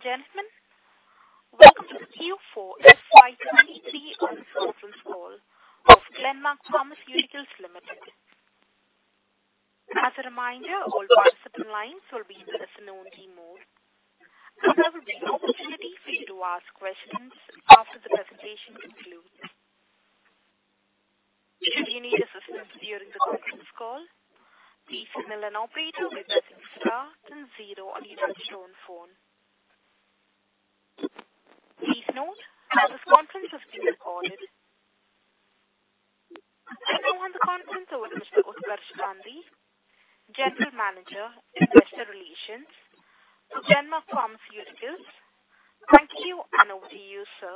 Gentlemen, welcome to the Q4 FY 2023 Results Conference Call of Glenmark Pharmaceuticals Limited. As a reminder, all participant lines will be in listen-only mode, and there will be an opportunity for you to ask questions after the presentation concludes. If you need assistance during the conference call, please signal an operator by pressing star then zero on your touch-tone phone. Please note that this conference is being recorded. I now hand the conference over to Mr. Utkarsh Gandhi, General Manager, Investor Relations, Glenmark Pharmaceuticals. Thank you. Over to you, sir.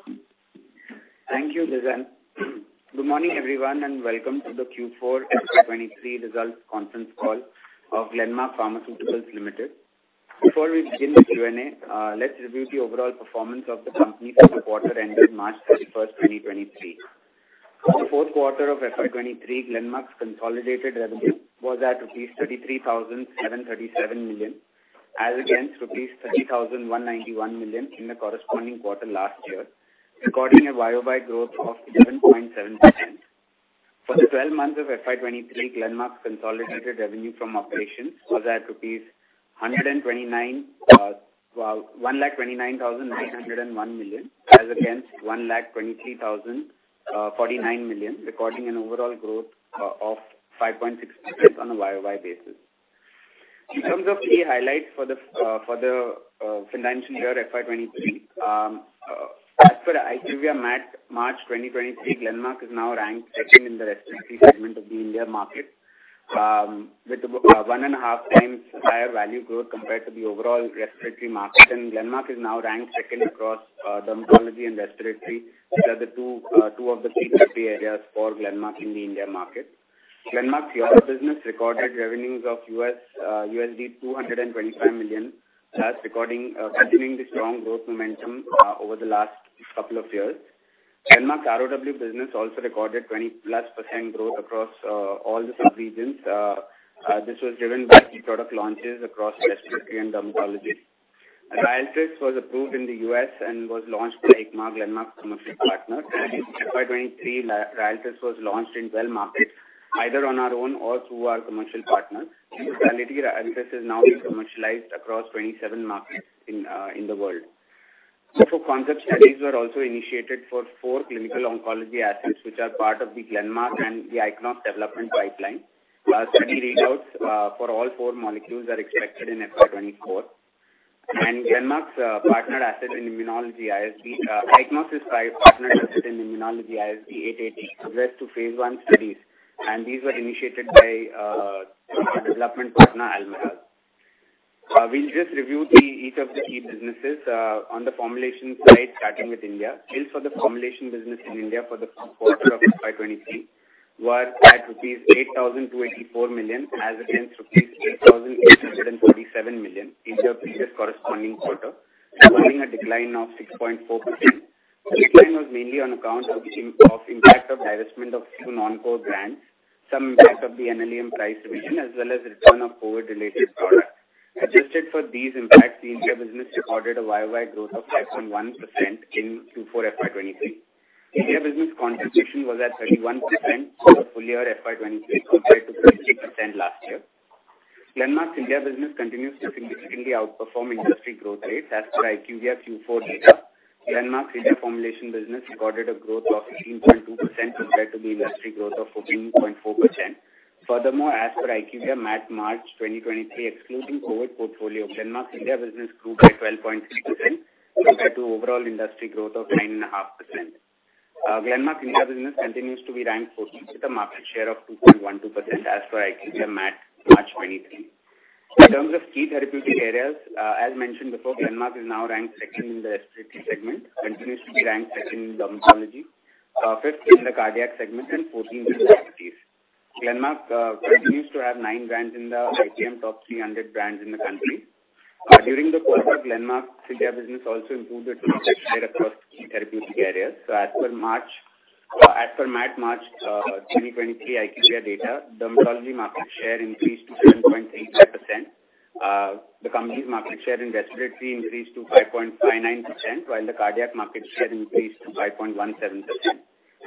Thank you, Lizanne. Good morning, everyone, and welcome to the Q4 FY 2023 Results Conference Call of Glenmark Pharmaceuticals Limited. Before we begin the Q&A, let's review the overall performance of the company for the quarter ending March 31st, 2023. For the fourth quarter of FY 2023, Glenmark's consolidated revenue was at rupees 33,737 million as against rupees 30,191 million in the corresponding quarter last year, recording a YoY growth of 11.7%. For the 12 months of FY 2023, Glenmark's consolidated revenue from operations was at 129,901 million, as against 123,049 million, recording an overall growth of 5.6% on a YoY basis. In terms of key highlights for the financial year FY 23, as per IQVIA MAT March 2023, Glenmark is now ranked second in the respiratory segment of the India market, with 1.5x higher value growth compared to the overall respiratory market. Glenmark is now ranked second across dermatology and respiratory, which are the two of the key therapy areas for Glenmark in the India market. Glenmark's Europe business recorded revenues of $225 million, continuing the strong growth momentum over the last couple of years. Glenmark's ROW business also recorded 20%+ growth across all the sub-regions. This was driven by key product launches across respiratory and dermatology. Ryaltris was approved in the U.S. and was launched by Hikma, Glenmark's commercial partner. In FY 2023, Ryaltris was launched in 12 markets, either on our own or through our commercial partners. In totality, Ryaltris is now being commercialized across 27 markets in the world. Proof-of-concept studies were also initiated for four clinical oncology assets, which are part of the Glenmark and the Ichnos development pipeline. Study readouts for all four molecules are expected in FY 2024. Ichnos' partner asset in immunology, ISB 880, progressed to phase I studies, these were initiated by development partner, Almirall. We'll just review each of the key businesses on the formulation side, starting with India. Sales for the formulation business in India for the fourth quarter of FY 2023 were at INR 8,284 million as against INR 8,847 million in the previous corresponding quarter, recording a decline of 6.4%. The decline was mainly on account of impact of divestment of few non-core brands, some impact of the NLEM price revision, as well as return of COVID-related products. Adjusted for these impacts, the India business recorded a YoY growth of 5.1% in Q4 FY 2023. India business concentration was at 31% for the full year FY 2023 compared to 30% last year. Glenmark's India business continues to significantly outperform industry growth rates as per IQVIA Q4 data. Glenmark's India formulation business recorded a growth of 18.2% compared to the industry growth of 14.4%. As per IQVIA MAT March 2023, excluding COVID portfolio, Glenmark's India business grew by 12.3% compared to overall industry growth of 9.5%. Glenmark's India business continues to be ranked 14th with a market share of 2.12% as per IQVIA MAT March 2023. In terms of key therapeutic areas, as mentioned before, Glenmark is now ranked second in the respiratory segment, continues to be ranked second in dermatology, fifth in the cardiac segment, and 14th in diabetes. Glenmark continues to have nine brands in the IPM top 300 brands in the country. During the quarter, Glenmark's India business also improved its market share across key therapeutic areas. As per MAT March 2023 IQVIA data, dermatology market share increased to 7.85%. The company's market share in respiratory increased to 5.59%, while the cardiac market share increased to 5.17%.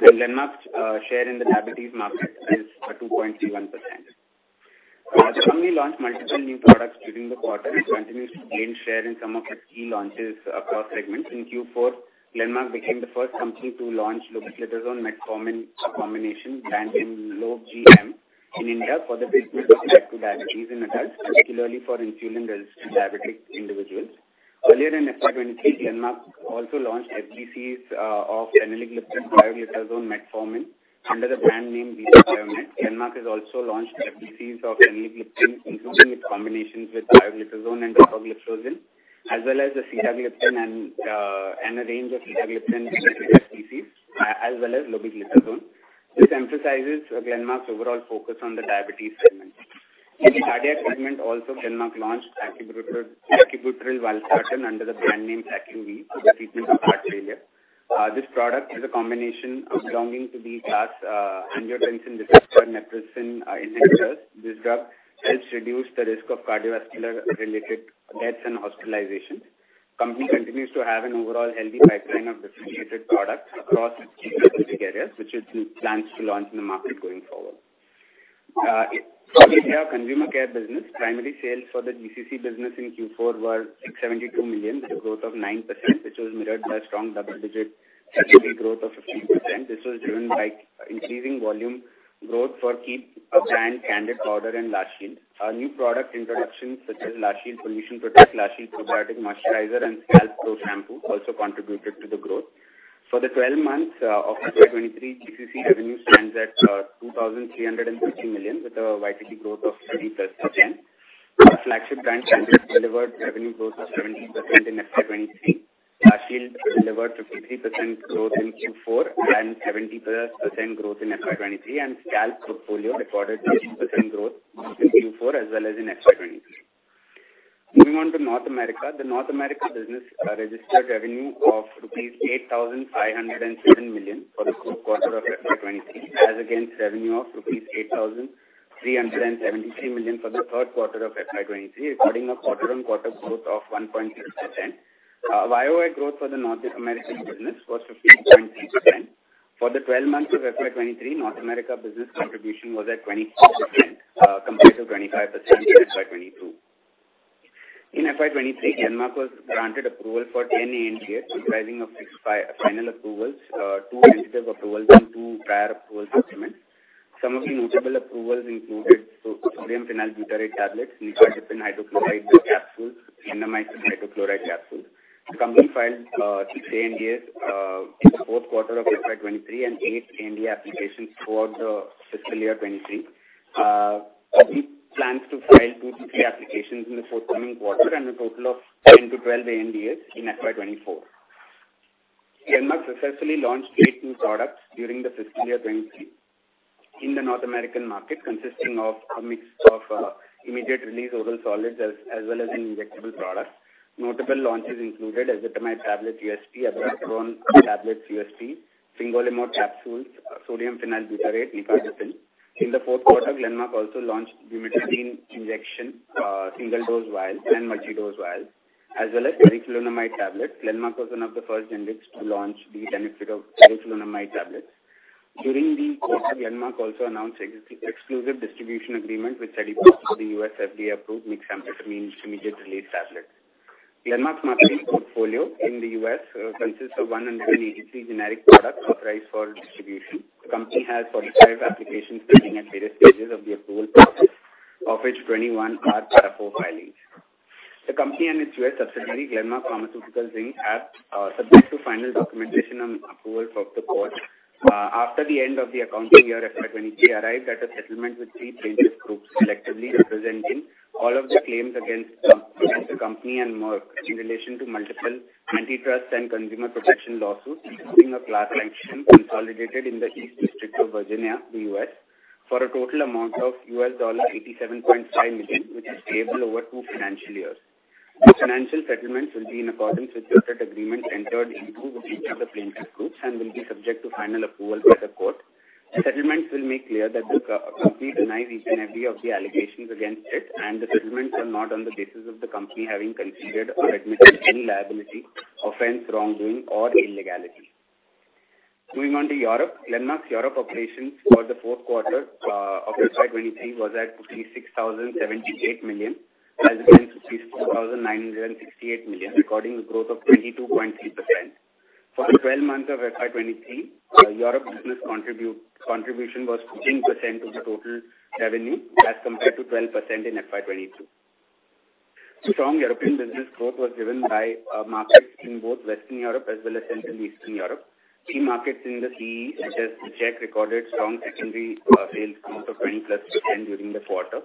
Glenmark's share in the diabetes market is 2.31%. The company launched multiple new products during the quarter and continues to gain share in some of its key launches across segments. In Q4, Glenmark became the first company to launch lobeglitazone metformin combination brand named LOBG-M in India for the treatment of type two diabetes in adults, particularly for insulin-resistant diabetic individuals. Earlier in FY 2023, Glenmark also launched FDCs of linagliptin, pioglitazone, metformin under the brand name Zita-PioMet. Glenmark has also launched FDCs of linagliptin, including its combinations with pioglitazone and dapagliflozin, as well as the sitagliptin and a range of sitagliptin FDCs, as well as lobeglitazone. This emphasizes Glenmark's overall focus on the diabetes segment. In the cardiac segment also, Glenmark launched sacubitril valsartan under the brand name SacuV for the treatment of heart failure. This product is a combination of belonging to the class angiotensin receptor neprilysin inhibitors. This drug helps reduce the risk of cardiovascular related deaths and hospitalizations. Company continues to have an overall healthy pipeline of differentiated products across key therapeutic areas, which it plans to launch in the market going forward. Consumer care business. Primary sales for the GCC business in Q4 were 672 million, with a growth of 9%, which was mirrored by strong double-digit revenue growth of 15%. This was driven by increasing volume growth for key brand Candid Powder and La Shield. Our new product introductions, such as La Shield Pollution Protect, La Shield Probiotic Moisturizer, and Scalpe Pro Shampoo also contributed to the growth. For the 12 months of FY 2023, GCC revenue stands at 2,350 million, with a YTD growth of 30+%. Flagship brand Candid delivered revenue growth of 17% in FY 2023. La Shield delivered 53% growth in Q4 and 70+% growth in FY 2023, and Scalpe portfolio recorded growth in Q4 as well as in FY 2023. Moving on to North America. The North America business registered revenue of rupees 8,507 million for the full quarter of FY 2023, as against revenue of rupees 8,373 million for the third quarter of FY 2023, recording a quarter-on-quarter growth of 1.6%. YoY growth for the North American business was 15.3%. For the 12 months of FY 2023, North America business contribution was at 22%, compared to 25% in FY 2022. In FY 2023, Glenmark was granted approval for 10 ANDAs, comprising of six final approvals, two tentative approvals and two prior approval supplements. Some of the notable approvals included sodium phenylbutyrate tablets, nicardipine hydrochloride capsules, vancomycin hydrochloride capsules. The company filed three ANDAs in the fourth quarter of FY 2023 and eight ANDA applications throughout the fiscal year 2023. The company plans to file two to three applications in the forthcoming quarter and a total of 10 to 12 ANDAs in FY 2024. Glenmark successfully launched three new products during the fiscal year 2023 in the North American market, consisting of a mix of immediate release oral solids as well as an injectable product. Notable launches included azithromycin tablet USP, abiraterone tablets USP, fingolimod capsules, sodium phenylbutyrate, nicardipine. In the fourth quarter, Glenmark also launched bumetanide injection, single-dose vial and multi-dose vial, as well as teriflunomide tablet. Glenmark was one of the first generics to launch the benefit of teriflunomide tablets. During the quarter, Glenmark also announced ex-exclusive distribution agreement for the U.S. FDA-approved mixed amphetamines immediate release tablets. Glenmark's marketing portfolio in the U.S. consists of 183 generic products authorized for distribution. The company has 45 applications pending at various stages of the approval process, of which 21 are Para IV filings. The company and its U.S. subsidiary, Glenmark Pharmaceuticals Inc. Have, subject to final documentation and approval of the court, after the end of the accounting year FY 2023, arrived at a settlement with three plaintiff groups collectively representing all of the claims against the company and Merck in relation to multiple antitrust and consumer protection lawsuits, including a class action consolidated in the Eastern District of Virginia, the U.S., for a total amount of $87.5 million, which is payable over two financial years. The financial settlements will be in accordance with the agreed agreement entered into with each of the plaintiff groups and will be subject to final approval by the court. The settlements will make clear that the co-company denies each and every of the allegations against it, and the settlements are not on the basis of the company having conceded or admitted any liability, offense, wrongdoing, or illegality. Moving on to Europe. Glenmark's Europe operations for the fourth quarter of FY2023 was at 6,078 million, as against 4,968 million, recording a growth of 22.3%. For the 12 months of FY2023, Europe business contribution was 15% of the total revenue as compared to 12% in FY2022. Strong European business growth was driven by markets in both Western Europe as well as Central and Eastern Europe. Key markets in the CEE, such as Czech, recorded strong secondary sales growth of 20+% during the quarter.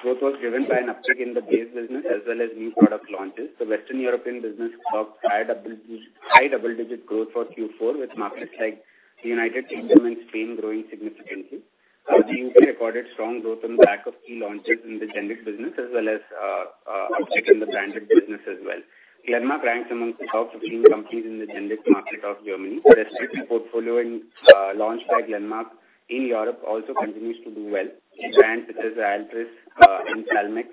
Growth was driven by an uptick in the base business as well as new product launches. The Western European business saw high double-digit growth for Q4, with markets like the United Kingdom and Spain growing significantly. The U.K. recorded strong growth on the back of key launches in the generic business, as well as an uptick in the branded business as well. Glenmark ranks amongst the top 15 companies in the generic market of Germany. The respiratory portfolio launched by Glenmark in Europe also continues to do well. Key brands such as Ryaltris and Salix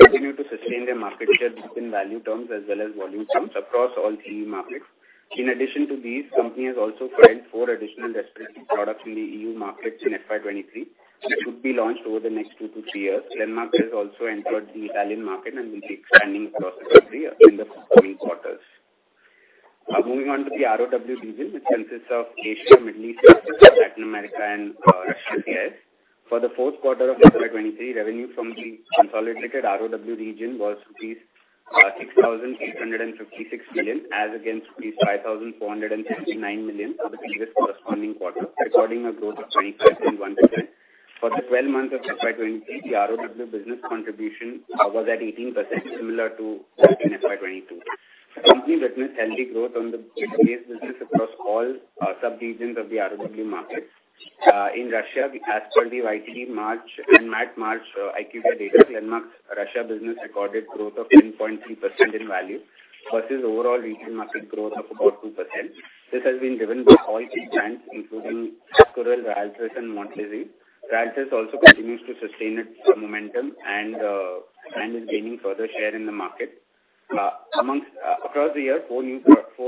continue to sustain their market share both in value terms as well as volume terms across all CEE markets. In addition to these, company has also filed four additional respiratory products in the EU markets in FY 2023, which should be launched over the next two to three years. Glenmark has also entered the Italian market and will be expanding across Italy in the coming quarters. Moving on to the ROW region, which consists of Asia, Middle East, Latin America and Russia CIS. For the fourth quarter of FY 2023, revenue from the consolidated ROW region was rupees 6,856 million, as against rupees 5,469 million for the previous corresponding quarter, recording a growth of 25.1%. For the 12 months of FY 2023, the ROW business contribution was at 18%, similar to FY 2022. The company witnessed healthy growth on the base business across all sub-regions of the ROW markets. In Russia, as per the YTD March and MAT March, IQVIA data, Glenmark Russia business recorded growth of 10.3% in value versus overall regional market growth of about 2%. This has been driven by all key brands, including Ascoril, Ryaltris and Montlezir. Ryaltris also continues to sustain its momentum and is gaining further share in the market. Amongst. Across the year, four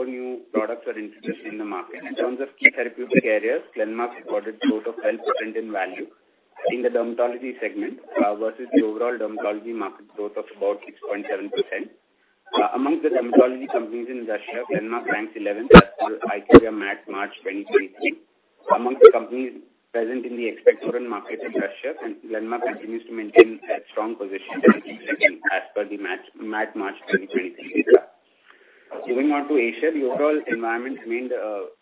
new products were introduced in the market. In terms of key therapeutic areas, Glenmark recorded growth of 12% in value in the dermatology segment versus the overall dermatology market growth of about 6.7%. Amongst the dermatology companies in Russia, Glenmark ranks 11th as per IQVIA MAT March 2023. Among the companies present in the expectorant market in Russia, Glenmark continues to maintain a strong position in fifth second as per the MAT March 2023 data. Moving on to Asia, the overall environment remained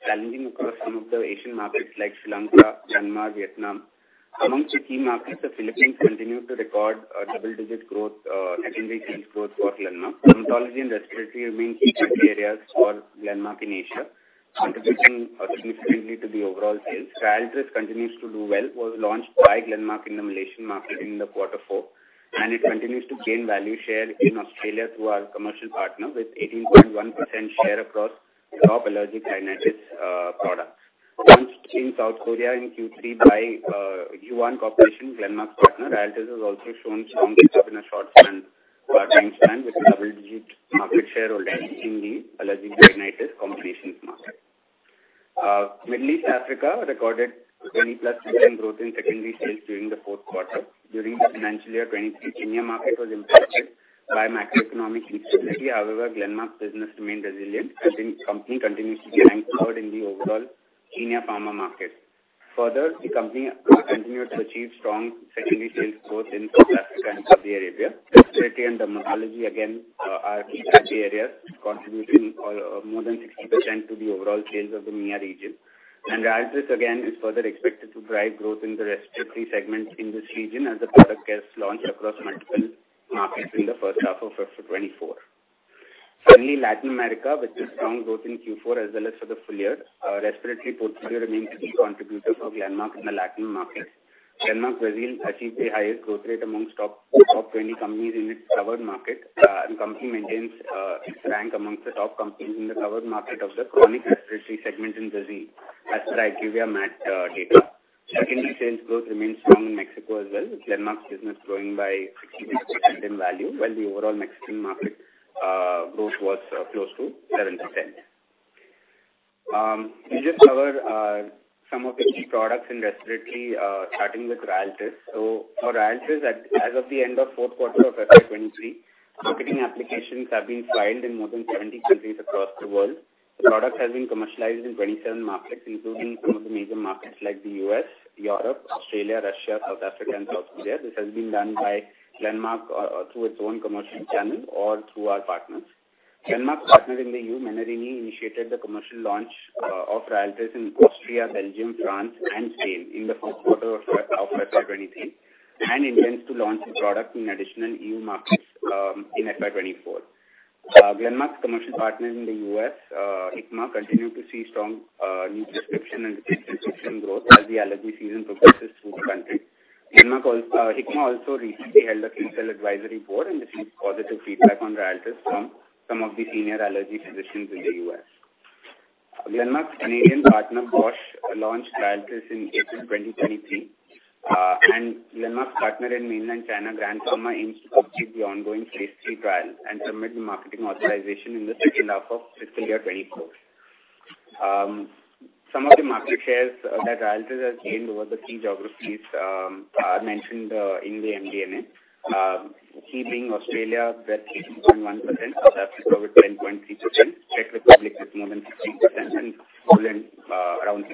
challenging across some of the Asian markets like Sri Lanka, Myanmar, Vietnam. Amongst the key markets, the Philippines continued to record a double-digit growth, secondary sales growth for Glenmark. Dermatology and respiratory remain key therapy areas for Glenmark in Asia, contributing significantly to the overall sales. Ryaltris continues to do well, was launched by Glenmark in the Malaysian market in quarter four. It continues to gain value share in Australia through our commercial partner with 18.1% share across top allergic rhinitis products. Launched in South Korea in Q3 by Yuhan Corporation, Glenmark's partner, Ryaltris has also shown strong take-up in a short time span with a double-digit market share already in the allergic rhinitis combinations market. Middle East Africa recorded 20+% growth in secondary sales during the fourth quarter. During the financial year 2023, Kenya market was impacted by macroeconomic instability. Glenmark's business remained resilient as the company continues to gain share in the overall Kenya pharma market. The company continued to achieve strong secondary sales growth in South Africa and Saudi Arabia. Respiratory and dermatology again, are key therapy areas, contributing more than 60% to the overall sales of the EMEA region. Ryaltris again is further expected to drive growth in the respiratory segment in this region as the product gets launched across multiple markets in the first half of FY 2024. Finally, Latin America witnessed strong growth in Q4 as well as for the full year. Respiratory portfolio remains key contributor for Glenmark in the Latin market. Glenmark Brazil achieved the highest growth rate amongst top 20 companies in its covered market. Company maintains its rank amongst the top companies in the covered market of the chronic respiratory segment in Brazil as per IQVIA MAT data. Secondary sales growth remains strong in Mexico as well, with Glenmark's business growing by 16% in value while the overall Mexican market growth was close to 7%. We just covered some of the key products in respiratory, starting with Ryaltris. For Ryaltris, as of the end of fourth quarter of FY 2023, marketing applications have been filed in more than 70 countries across the world. The product has been commercialized in 27 markets, including some of the major markets like the U.S., Europe, Australia, Russia, South Africa and South Korea. This has been done by Glenmark through its own commercial channel or through our partners. Glenmark's partner in the EU, Menarini, initiated the commercial launch of Ryaltris in Austria, Belgium, France and Spain in the first quarter of FY 2023, and intends to launch the product in additional EU markets in FY 2024. Glenmark's commercial partner in the U.S., Hikma, continued to see strong new prescription and refill prescription growth as the allergy season progresses through the country. Hikma also recently held a key sales advisory board and received positive feedback on Ryaltris from some of the senior allergy physicians in the U.S. Glenmark's Canadian partner, Bausch Health, launched Ryaltris in April 2023. Glenmark's partner in Mainland China, Grand Pharma, aims to complete the ongoing phase III trial and submit the marketing authorization in the second half of fiscal year 2024. Some of the market shares that Ryaltris has gained over the key geographies are mentioned in the MD&A. Key being Australia with 18.1%, South Africa with 10.3%, Czech Republic with more than 15%, and Poland around 6%.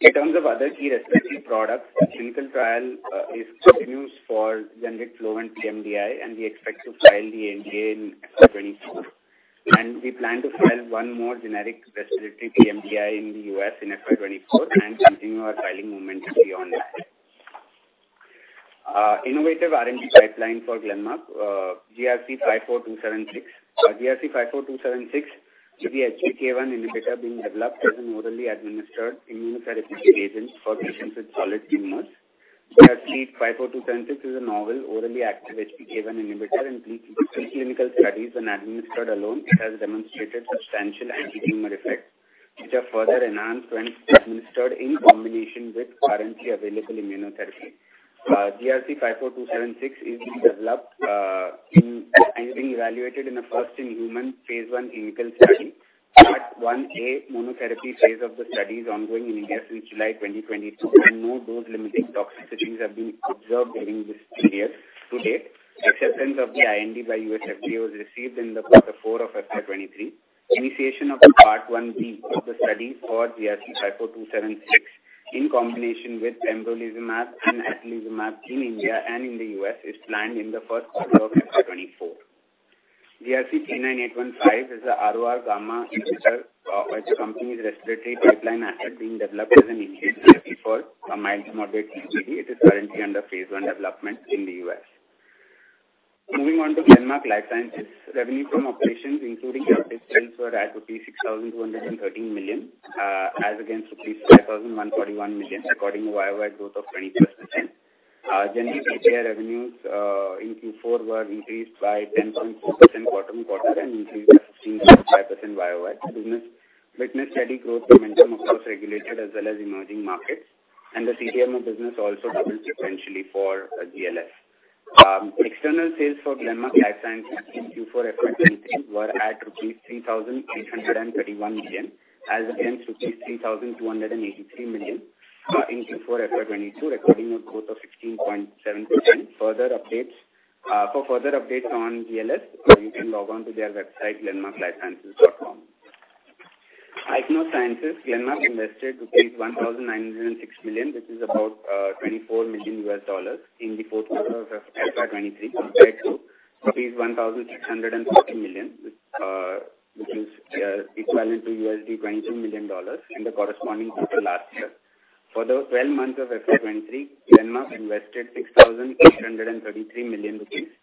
In terms of other key respiratory products, clinical trial is continuous for generic Flovent pMDI, and we expect to file the NDA in FY 2024. We plan to file one more generic respiratory pMDI in the U.S. in FY 2024 and continue our filing momentum beyond that. Innovative R&D pipeline for Glenmark, GRC 54276. GRC 54276 is a HPK1 inhibitor being developed as an orally administered immunotherapy agent for patients with solid tumors. GRC 54276 is a novel orally active HPK1 inhibitor. In pre-preclinical studies when administered alone, it has demonstrated substantial anti-tumor effects, which are further enhanced when it's administered in combination with currently available immunotherapy. GRC 54276 is being developed and is being evaluated in a first-in-human phase I clinical study. Part I-A monotherapy phase of the study is ongoing in India since July 2022, and no dose-limiting toxicities have been observed during this period to date. Acceptance of the IND by U.S. FDA was received in the quarter four of FY 2023. Initiation of the Part I-B of the study for GRC 54276 in combination with pembrolizumab and atezolizumab in India and in the U.S. is planned in the first quarter of FY 2024. GRC 39815 is a ROR gamma inhibitor with the company's respiratory pipeline asset being developed as an inhaled therapy for mild-to-moderate COPD. It is currently under phase I development in the U.S. Moving on to Glenmark Life Sciences. Revenue from operations including external sales for Glenmark Life Sciences in Q4 FY2023 were at rupees 3,831 million, as against rupees 3,283 million in Q4 FY2022, recording a growth of 16.7%. For further updates on GLS, you can log on to their website, glenmarklifesciences.com. Ichnos Sciences, Glenmark invested 1,906 million, which is about $24 million in the fourth quarter of FY2023, compared to rupees 1,640 million, which is equivalent to $22 million in the corresponding quarter last year. For the 12 months of FY 2023, Glenmark invested 6,833 million rupees,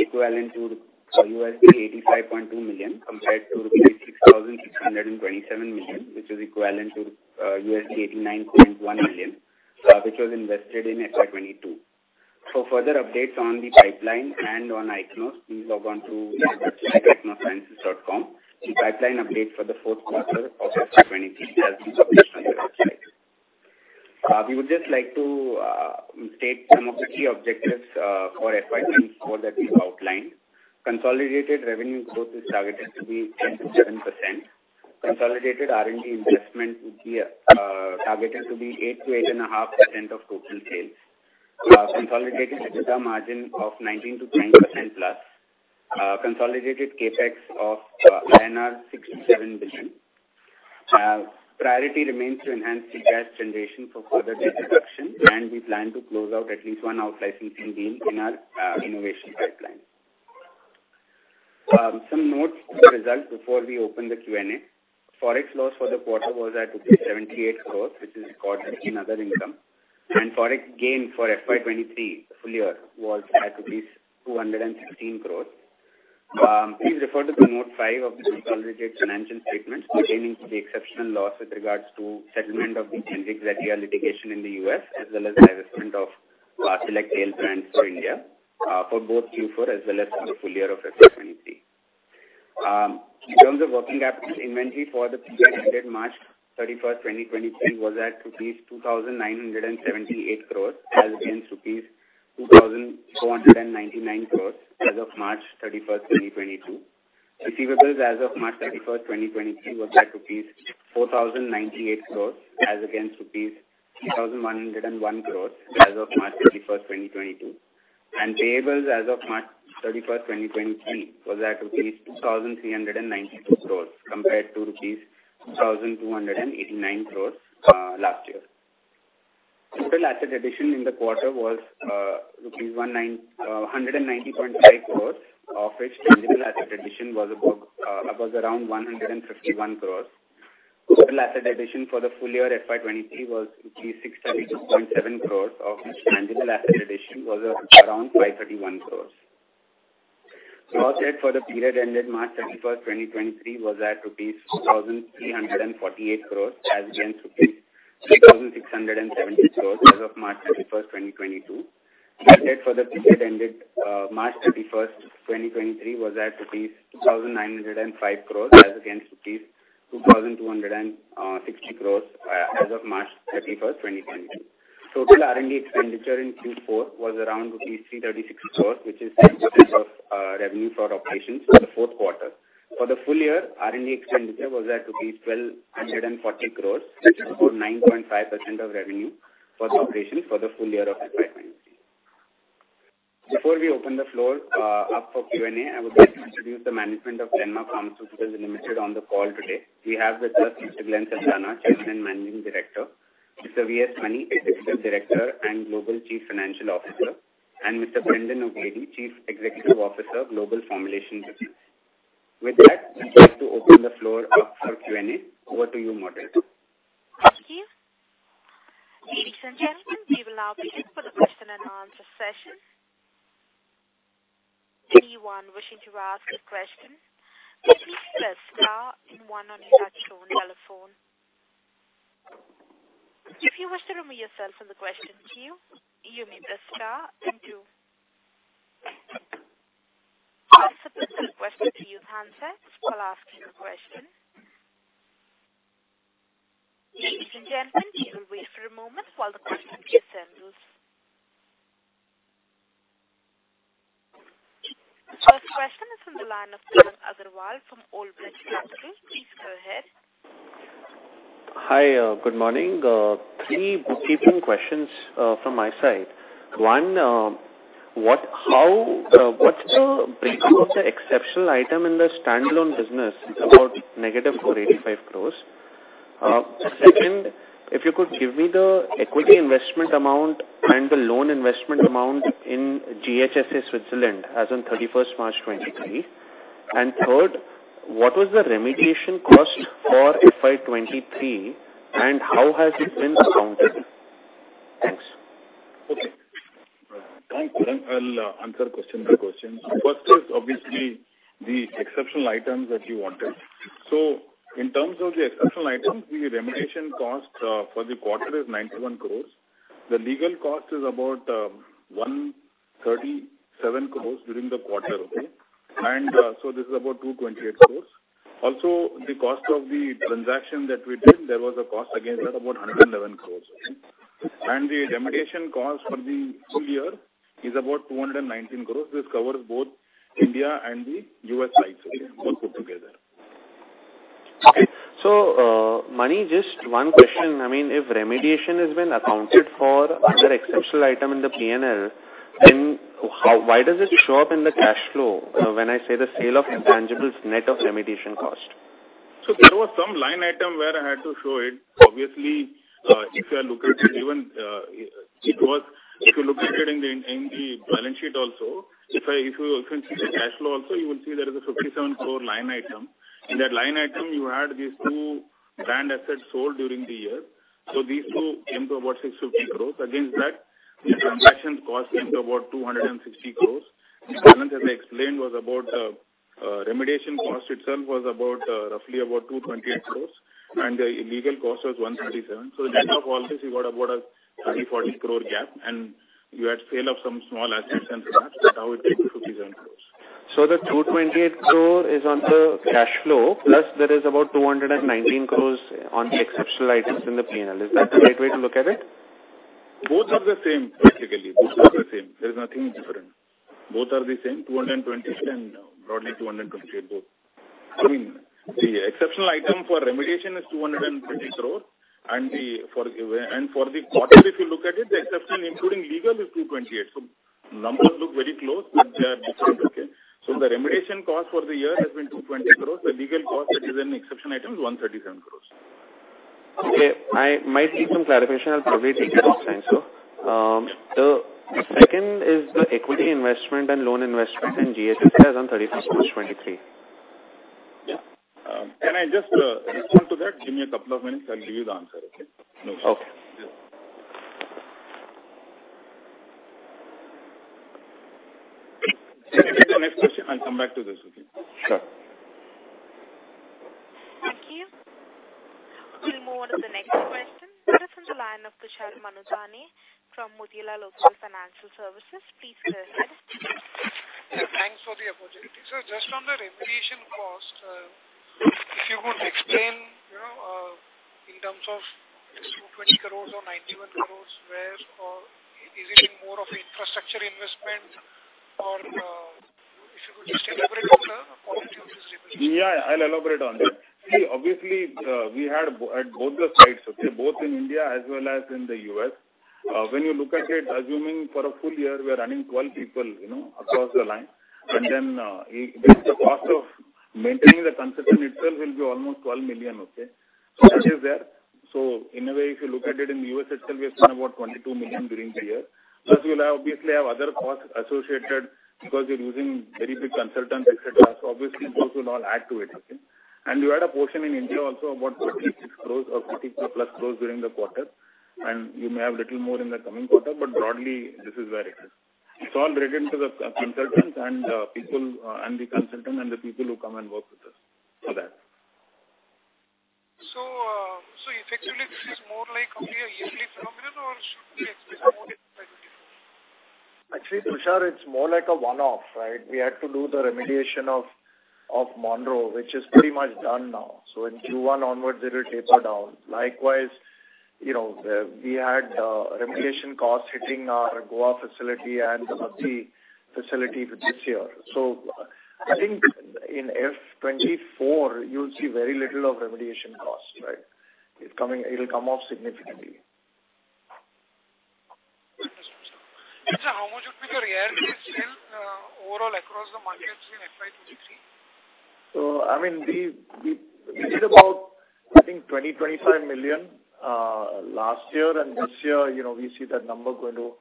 equivalent to $85.2 million, compared to rupees 6,627 million, which is equivalent to $89.1 million, which was invested in FY 2022. For further updates on the pipeline and on Ichnos, please log on to their website, ichnosciences.com. The pipeline update for the fourth quarter of FY 2023 has been published on their website. We would just like to state some of the key objectives for FY 2024 that we've outlined. Consolidated revenue growth is targeted to be 10%-7%. Consolidated R&D investment would be targeted to be 8%-8.5% of total sales. Consolidated EBITDA margin of 19%-20%+. Consolidated CapEx of INR 67 billion. priority remains to enhance free cash generation for further debt reduction, and we plan to close out at least one outsourcing deal in our innovation pipeline. Some notes on the results before we open the Q&A. Forex loss for the quarter was at 78 crores, which is recorded in other income. Forex gain for FY 2023 full year was at rupees 216 crores. Please refer to the note five of the consolidated financial statements pertaining to the exceptional loss with regards to settlement of the generic Zetia litigation in the U.S., as well as the divestment of select tail brands for India, for both Q4 as well as for the full year of FY 2023. In terms of working capital, inventory for the period ended March 31st, 2023, was at INR 2,978 crores as against INR 2,499 crores as of March 31st, 2022. Receivables as of March 31st, 2023, was at rupees 4,098 crores as against rupees 3,101 crores as of March 31st, 2022. Payables as of March 31st, 2023, was at rupees 2,392 crores compared to rupees 2,289 crores last year. Total asset addition in the quarter was 190.5 crores, of which tangible asset addition was about 151 crores. Total asset addition for the full year FY 2023 was rupees 632.7 crores, of which tangible asset addition was around 531 crores. Loss for the period ended March 31, 2023, was at rupees 2,348 crores as against INR 3,670 crores as of March 31, 2022. Our debt for the period ended March 31, 2023, was at rupees 2,905 crores as against rupees 2,260 crores as of March 31, 2022. Total R&D expenditure in Q4 was around INR 336 crores, which is 10% of revenue for operations for the fourth quarter. For the full year, R&D expenditure was at rupees 1,240 crores, which is about 9.5% of revenue for operations for the full year of FY 2023. Before we open the floor up for Q&A, I would like to introduce the management of Glenmark Pharmaceuticals Limited on the call today. We have with us Mr. Glenn Saldanha, Chairman and Managing Director, Mr. V.S. Mani, Executive Director and Global Chief Financial Officer, and Mr. Brendan O'Grady, Chief Executive Officer, Global Formulations Business. With that, we'd like to open the floor up for Q&A. Over to you, moderator. Thank you. Ladies and gentlemen, we will now begin for the question and answer session. Anyone wishing to ask a question, please press star then one on your touchtone telephone. If you wish to remove yourself from the question queue, you may press star then two. Please submit your question to your handset while asking your question. Ladies and gentlemen, we will wait for a moment while the question queue assembles. First question is from the line of Tarang Agarwal from Old Bridge Capital. Please go ahead. Hi, good morning. Three bookkeeping questions from my side. One, what's the breakdown of the exceptional item in the standalone business? It's about negative 485 crores. Second, if you could give me the equity investment amount and the loan investment amount in GHSA Switzerland as on March 31st 2023. Third, what was the remediation cost for FY 2023, and how has it been accounted? Okay. Thank you. I'll answer question by question. First is obviously the exceptional items that you wanted. In terms of the exceptional items, the remediation cost for the quarter is 91 crores. The legal cost is about 137 crores during the quarter, okay? This is about 228 crores. Also, the cost of the transaction that we did, there was a cost against that, about 111 crores, okay? The remediation cost for the full year is about 219 crores. This covers both India and the U.S. sites, okay, both put together. Mani, just one question. I mean, if remediation has been accounted for under exceptional item in the P&L, then how, why does it show up in the cash flow when I say the sale of intangibles net of remediation cost? There was some line item where I had to show it. Obviously, if you are looking at even, if you look at it in the balance sheet also, if you also see the cash flow also, you will see there is a 57 crore line item. In that line item you had these two brand assets sold during the year. These two came to about 650 crores. Against that, the transactions cost came to about 260 crores. The balance, as I explained, was about remediation cost itself was about roughly about 228 crores. And the legal cost was 137 crore. Net of all this you got about a 30-40 crore gap. And you had sale of some small assets and such. That's how it came to 57 crores. The 228 crore is on the cash flow, plus there is about 219 crores on the exceptional items in the P&L. Is that the right way to look at it? Both are the same, practically. Both are the same. There is nothing different. Both are the same, 220 and broadly 228, both. I mean, the exceptional item for remediation is 220 crores. For the quarter, if you look at it, the exception including legal is 228 crores. Numbers look very close, but they are different, okay? The remediation cost for the year has been 220 crores. The legal cost, which is an exception item, is 137 crores. Okay. I might need some clarification. I'll probably take it offline Sir. The second is the equity investment and loan investment in GHSA as on March 31st 2023. Can I just respond to that? Give me a couple of minutes. I'll give you the answer, okay? No issues. Okay. Yeah.Can we take the next question. I'll come back to this, okay? Sure. Thank you. We'll move on to the next question. That is from the line of Tushar Manudhane from Motilal Oswal Financial Services. Please go ahead. Yeah, thanks for the opportunity. Just on the remediation cost, if you could explain, you know, in terms of this 220 crores or 91 crores, where is it in more of infrastructure investment or. If you could just elaborate on the quality of this remediation. Yeah, I'll elaborate on that. See, obviously, we had both the sites, okay, both in India as well as in the U.S. When you look at it, assuming for a full year, we are running 12 people, you know, across the line. Just the cost of maintaining the consultant itself will be almost $12 million, okay. That is there. In a way, if you look at it in the U.S. itself, we have spent about $22 million during the year. Plus you'll obviously have other costs associated because you're using very big consultants, et cetera. Obviously those will all add to it, okay? You add a portion in India also about 36 crores or 30+ crores during the quarter, and you may have little more in the coming quarter, but broadly this is where it is. It's all written to the consultants and people, and the consultant and the people who come and work with us for that. Effectively this is more like only a yearly phenomenon or should we expect more in future? Actually, Tushar, it's more like a one-off, right? We had to do the remediation of Monroe, which is pretty much done now. In Q1 onwards it will taper down. Likewise, you know, we had remediation costs hitting our Goa facility and the Baddi facility this year. I think in FY2024 you'll see very little of remediation costs, right? It'll come off significantly. Understood, sir. Sir, how much would be the Ryaltris sale, overall across the markets in FY2023? I mean, the, we did about I think 20 million, 25 million last year. This year, you know, we see that number going to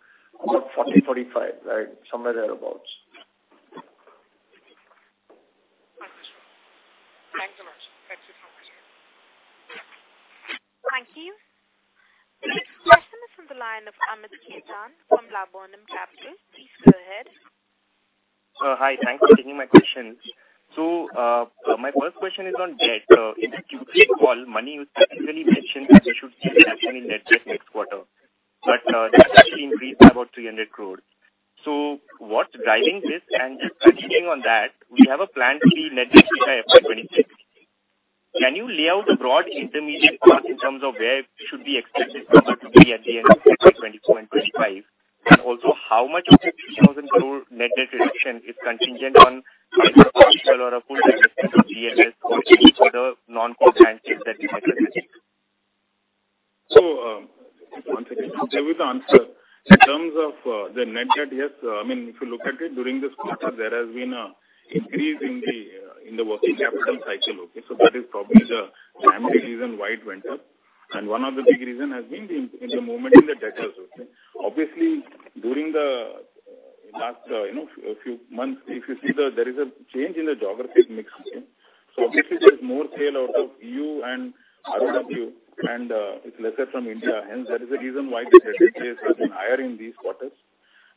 about 40 million, 45 million, right, somewhere thereabouts. Understood. Thanks a lot. Thanks for your time. Thank you. The next question is from the line of Amit Khetan from Laburnum Capital. Please go ahead. Hi. Thanks for taking my questions. My first question is on debt. In the Q3 call, Mani, you specifically mentioned that you should see a reduction in net debt next quarter, that actually increased by about 300 crores. What's driving this? Just continuing on that, we have a plan to see net debt by FY 2026. Can you lay out a broad intermediate path in terms of where it should be expected for us to be at the end of FY 2024 and 2025? Also how much of the 3,000 crore net debt reduction is contingent on either partial or a full divestment of GLS or any further non-core assets that you might sell? One second. I'll give you the answer. In terms of the net debt, yes, I mean, if you look at it, during this quarter, there has been a increase in the working capital cycle. Okay? That is probably the primary reason why it went up. One of the big reason has been the in the movement in the debt as well. Okay? Obviously, during the, you know, a few months, if you see the, there is a change in the geographic mix. Obviously there's more sale out of EU and ROW and it's lesser from India, hence that is the reason why the head case has been higher in these quarters.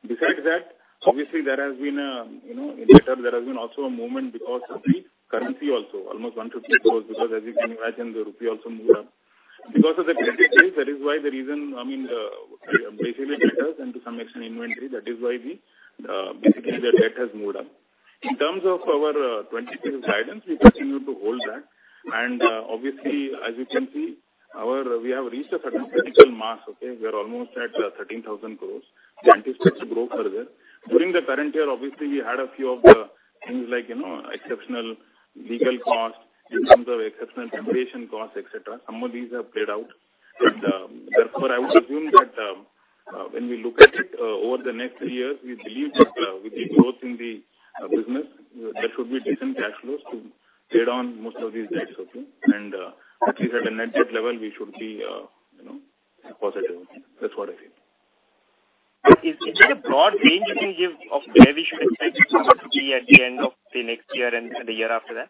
Besides that, obviously there has been, you know, in data, there has been also a movement because of the currency also, almost 150 crores, because as you can imagine, the rupee also moved up. Because of the credit case, that is why the reason, I mean, basically debtors and to some extent inventory, that is why we, basically, the debt has moved up. In terms of our 2023 guidance, we continue to hold that. Obviously as you can see, we have reached a certain critical mass, okay. We are almost at 13,000 crores. We anticipate to grow further. During the current year obviously we had a few of the things like, you know, exceptional legal costs in terms of exceptional separation costs, et cetera. Some of these have played out. Therefore, I would assume that when we look at it over the next three years, we believe that with the growth in the business, there should be decent cash flows to play down most of these debts, okay. At least at a net debt level, we should be, you know, positive. That's what I feel. Is there a broad range you can give of where we should expect this to be at the end of the next year and the year after that?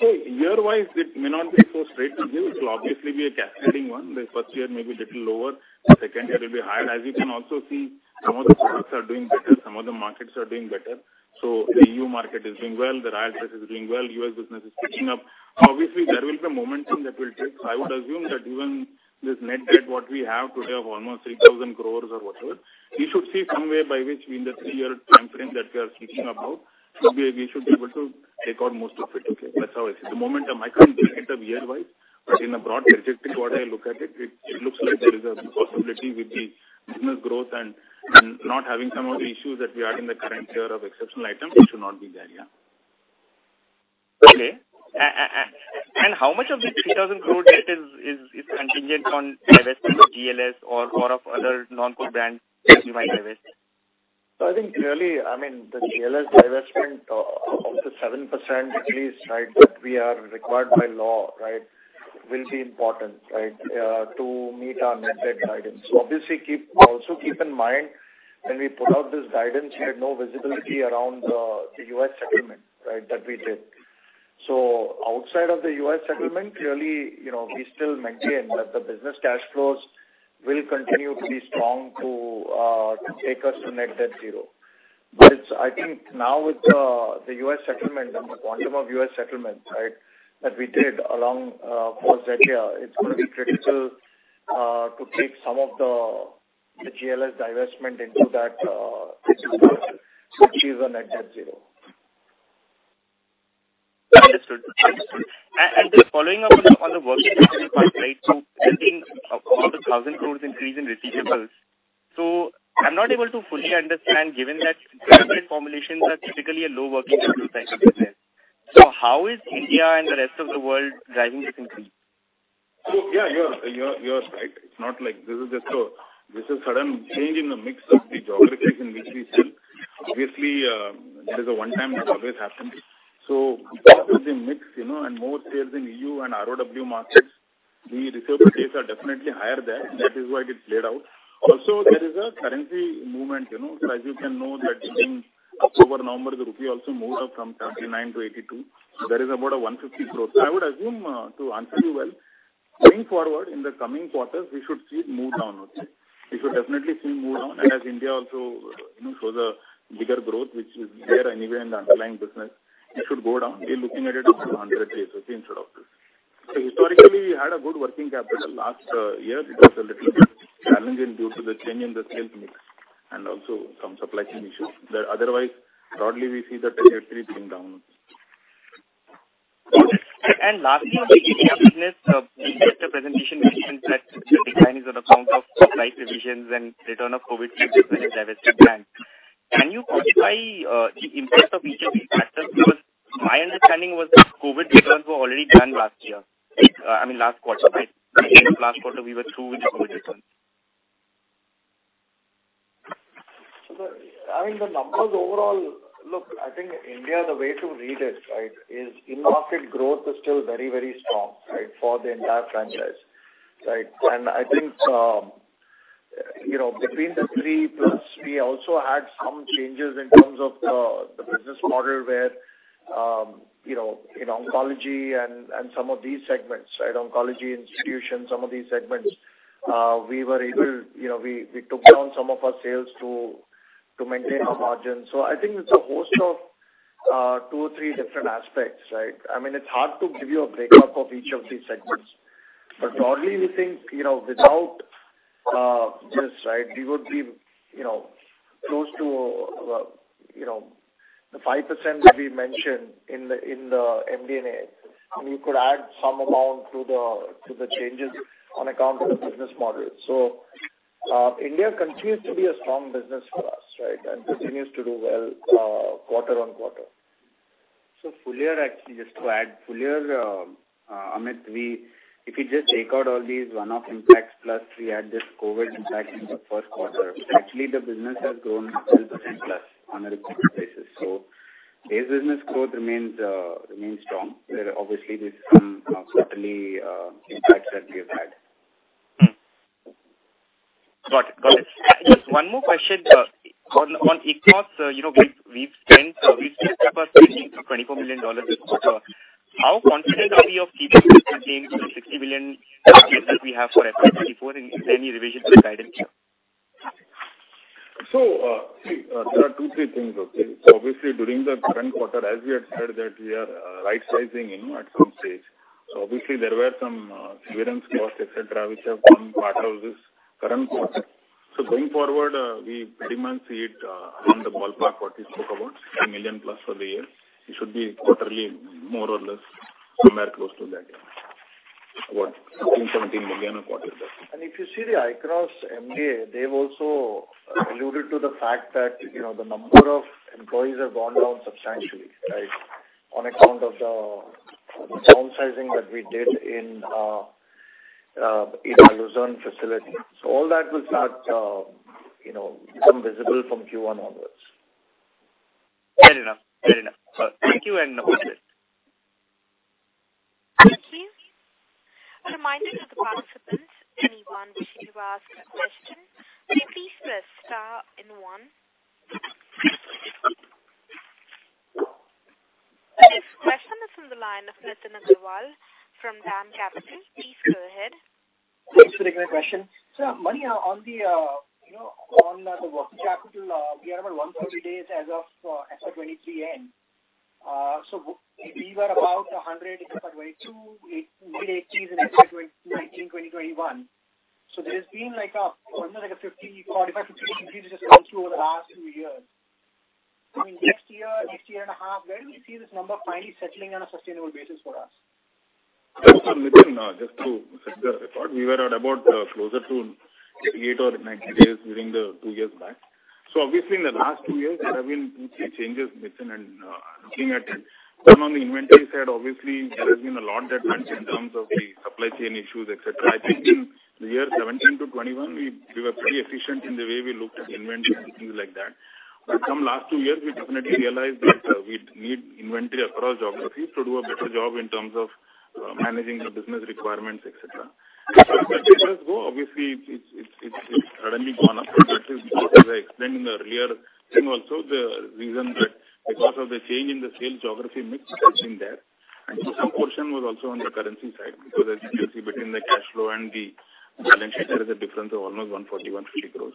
Year-wise it may not be so straight to give. It'll obviously be a cascading one. The first year may be little lower, the second year will be higher. As you can also see, some of the products are doing better, some of the markets are doing better. The EU market is doing well, Ryaltris is doing well, U.S. business is picking up. Obviously, there will be a momentum that will take. I would assume that even this net debt, what we have today of almost 3,000 crore or whatever, we should see some way by which in the three-year timeframe that we are thinking about, we should be able to take out most of it, okay. That's how I see. The momentum I can't break it up year-wise, but in a broad trajectory what I look at it looks like there is a possibility with the business growth and not having some of the issues that we had in the current year of exceptional items, it should not be there. Yeah. Okay. How much of this 3,000 crore debt is contingent on divestment of GLS or of other non-core brands that you might divest? I think clearly, I mean, the GLS divestment up to 7% at least that we are required by law will be important to meet our net debt guidance. Obviously, also keep in mind when we put out this guidance, we had no visibility around the U.S. settlement that we did. Outside of the U.S. settlement, clearly, you know, we still maintain that the business cash flows will continue to be strong to take us to net debt zero. I think now with the U.S. settlement and the quantum of U.S. settlement that we did along for that year, it's gonna be critical to take some of the GLS divestment into that to achieve a net debt zero. Understood. Understood. And just following up on the working capital part, right? Building about 1,000 crores increase in receivables. I'm not able to fully understand given that branded formulations are typically a low working capital type of business. How is India and the rest of the world driving this increase? Yeah, you're right. It's not like this is just a sudden change in the mix of the geographies in which we sell. Obviously, that is a one time that always happened. Change in mix, you know, and more sales in EU and ROW markets, the receivable days are definitely higher there. That is why it played out. Also, there is a currency movement, you know. As you can know that in October, November, the rupee also moved up from 79 to 82. There is about 150 crore. I would assume, to answer you well, going forward in the coming quarters, we should see it move down. Okay? We should definitely see it move down. As India also, you know, shows a bigger growth, which is there anyway in the underlying business, it should go down. We are looking at it up to 100 days or things like this. Historically we had a good working capital. Last year it was a little bit challenging due to the change in the sales mix and also some supply chain issues. Otherwise, broadly we see the trajectory being down. Lastly, on the India business, in the presentation we see that the decline is on account of price revisions and return of COVID treatments and divested brands. Can you quantify the impact of each of these factors? My understanding was that COVID returns were already done last year. I mean last quarter, right? End of last quarter we were through with the COVID returns. The numbers overall. Look, I mean, I think India, the way to read it, right, is in-market growth is still very, very strong, right, for the entire franchise. Right. I think, you know, between the three plus we also had some changes in terms of the business model where, you know, in oncology and some of these segments, right, oncology institutions, some of these segments, we were able, you know, we took down some of our sales to maintain our margins. I think it's a host of two or three different aspects, right. I mean, it's hard to give you a breakup of each of these segments, but broadly we think, you know, without this, right, we would be, you know, close to, you know, the 5% that we mentioned in the MD&A. You could add some amount through the changes on account of the business model. India continues to be a strong business for us, right? Continues to do well, quarter on quarter. Fully year actually, just to add, full year, Amit, if you just take out all these one-off impacts, plus we add this COVID impact in the first quarter, actually the business has grown 12%+ on a recorded basis. Base business growth remains strong. There are obviously these some quarterly impacts that we have had. Mm-hmm. Got it. Got it. Just one more question, on Ichnos, you know, we've spent approximately $24 million this quarter. How confident are we of keeping this contain to the $60 million target that we have for FY 2024, and is there any revision to the guidance? See, there are two, three things, okay? Obviously, during the current quarter, as we had said that we are right sizing, you know, at some stage. Obviously there were some severance costs, et cetera, which have formed part of this current quarter. Going forward, we pretty much see it on the ballpark what we spoke about, 60 million+ for the year. It should be quarterly more or less somewhere close to that, yeah. About INR 15, 17 million or quarter. If you see the Ichnos MDA, they've also alluded to the fact that, you know, the number of employees have gone down substantially, right? On account of the downsizing that we did in, you know, Luzerne facility. All that will start, you know, become visible from Q1 onwards. Fair enough. Fair enough. Well, thank you, and over to next. Thank you. A reminder to the participants, anyone wishing to ask a question, you please press star then one. The next question is from the line of Nitin Agarwal from DAM Capital. Please go ahead. Thanks for taking my question. Mani, on the, you know, on the working capital, we are about 130 days as of FY 2023 end. We were about 100 in FY 2022, mid-80s in FY 2019, 2021. There's been like a, you know, like a 50, 45 to 50 increase has come through over the last two years. I mean, next year, next year and a half, where do we see this number finally settling on a sustainable basis for us? Nitin, just to set the record, we were at about, closer to eight or nine days during the two years back. Obviously in the last two years, there have been few key changes, Nitin, and, looking at it. Some on the inventory side, obviously there has been a lot that went in terms of the supply chain issues, et cetera. I think in the year 2017 to 2021, we were pretty efficient in the way we looked at inventory and things like that. Some last two years, we definitely realized that we need inventory across geographies to do a better job in terms of managing the business requirements, et cetera. As cash flows go, obviously it's suddenly gone up, but that is because as I explained in the earlier thing also, the reason that because of the change in the sales geography mix touching that. Some portion was also on the currency side because as you can see between the cash flow and the balance sheet, there is a difference of almost INR 141 crore.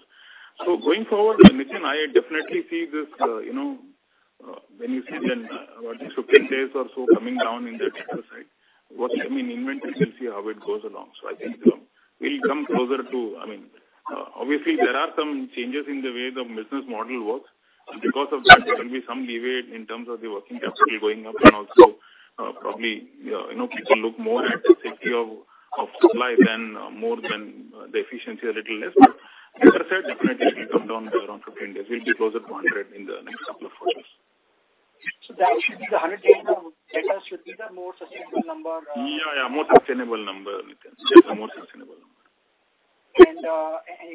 Going forward, Nitin, I definitely see this, you know, when you see then about the 15 days or so coming down in the debtor side. Working I mean, inventory, we'll see how it goes along. I think, we'll come closer to... I mean, obviously there are some changes in the way the business model works, and because of that there will be some leeway in terms of the working capital going up and also, probably, you know, people look more at the safety of supply than, more than, the efficiency a little less. Like I said, definitely it will come down to around 15 days. We'll be closer to 100 in the next couple of quarters. That should be the 100 days letter. Should these are more sustainable number. Yeah, more sustainable number, Nitin. Yes, a more sustainable number. In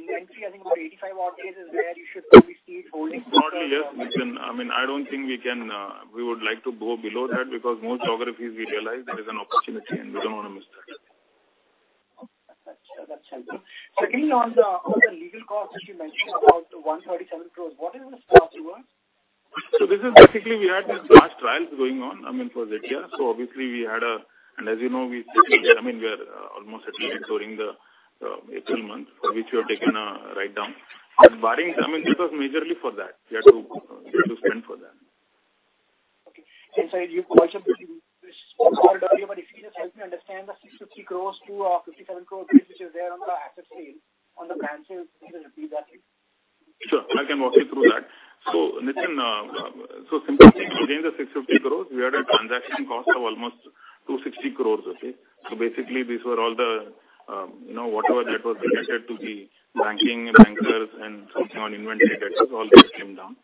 inventory, I think about 85 odd days is where you should probably see it holding. Not yet, Nitin. I mean, I don't think we can, we would like to go below that because most geographies we realize there is an opportunity and we don't wanna miss that. Okay. That's helpful. Secondly, on the legal costs that you mentioned about 137 crores, what is this cost you got? This is basically we had these large trials going on, I mean, for Zetia. Obviously, as you know, we settled, I mean, we are almost settled during the April month for which we have taken a write down. Barring, I mean, this was majorly for that. We had to spend for that. Okay. Sir, you've also broken this down earlier, but if you just help me understand the 650 crores-57 crores which is there on the asset sale, on the brand sales, can you just repeat that please? Sure. I can walk you through that. Nitin, simply speaking, within the 650 crores, we had a transaction cost of almost 260 crores, okay. Basically these were all the, you know, whatever that was related to the banking, bankers and something on inventory, all those came down.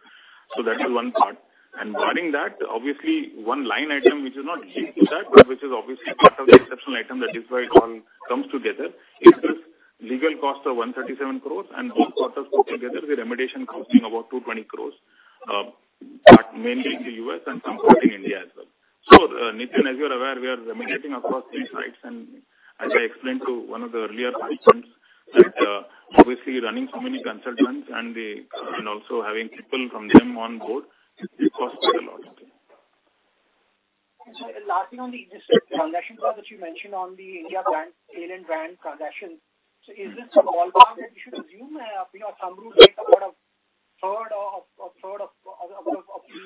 That is one part. Barring that, obviously one line item which is not linked to that, but which is obviously part of the exceptional item that is why it all comes together, is this legal cost of 137 crores and all put together, the remediation costing about 220 crores, mainly in the U.S. and some part in India as well. Nitin, as you're aware, we are remediating across three sites and as I explained to one of the earlier participants that, obviously running so many consultants and also having people from them on board, it costs quite a lot, okay? Sir, lastly on this transaction cost that you mentioned on the India brand, sale and brand transactions, is this a ballpark that we should assume, you know, some rule says about a third or a third of the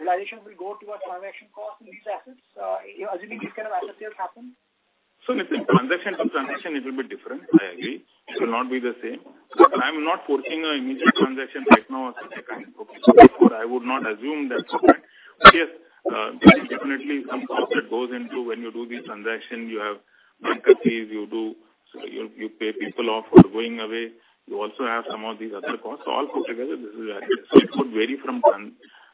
realization will go towards transaction costs in these assets, as any this kind of asset sales happen? Nitin, transaction to transaction it will be different, I agree. It will not be the same. I'm not forcing an immediate transaction right now as I said, okay? Therefore I would not assume that. Yes, there is definitely some cost that goes into when you do the transaction. You have banks, so you pay people off for going away. You also have some of these other costs. All put together, this is that. It could vary from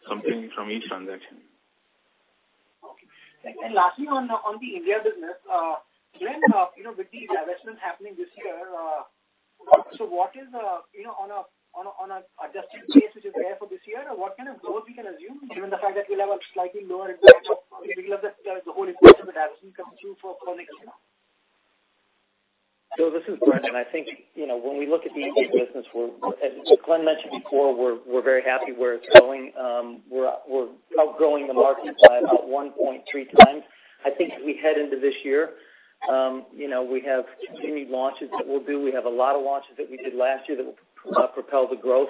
something from each transaction. Okay. Thank you. Lastly on the India business, Glenn, you know, with these divestments happening this year, what is, you know, on a adjusted base which is there for this year, what kind of growth we can assume given the fact that we'll have a slightly lower the whole investment actually comes through for next year? This is Brendan. I think, you know, when we look at the India business, we're, as Glenn mentioned before, we're very happy where it's going. We're outgrowing the market by about 1.3x. I think as we head into this year, you know, we have continued launches that we'll do. We have a lot of launches that we did last year that will propel the growth.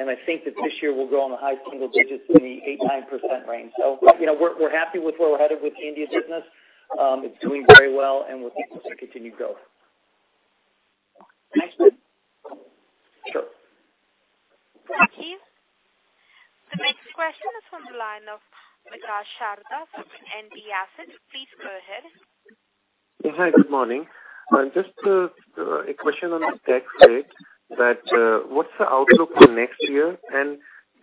I think that this year we'll grow in the high single digits in the 8%, 9% range. You know, we're happy with where we're headed with the India business. It's doing very well and we're looking for continued growth. Thanks, Brendan. Sure. Thank you. The next question is from the line of Vikas Sharda from NTAssets. Please go ahead. Yeah. Hi, good morning. Just a question on the tax rate that what's the outlook for next year?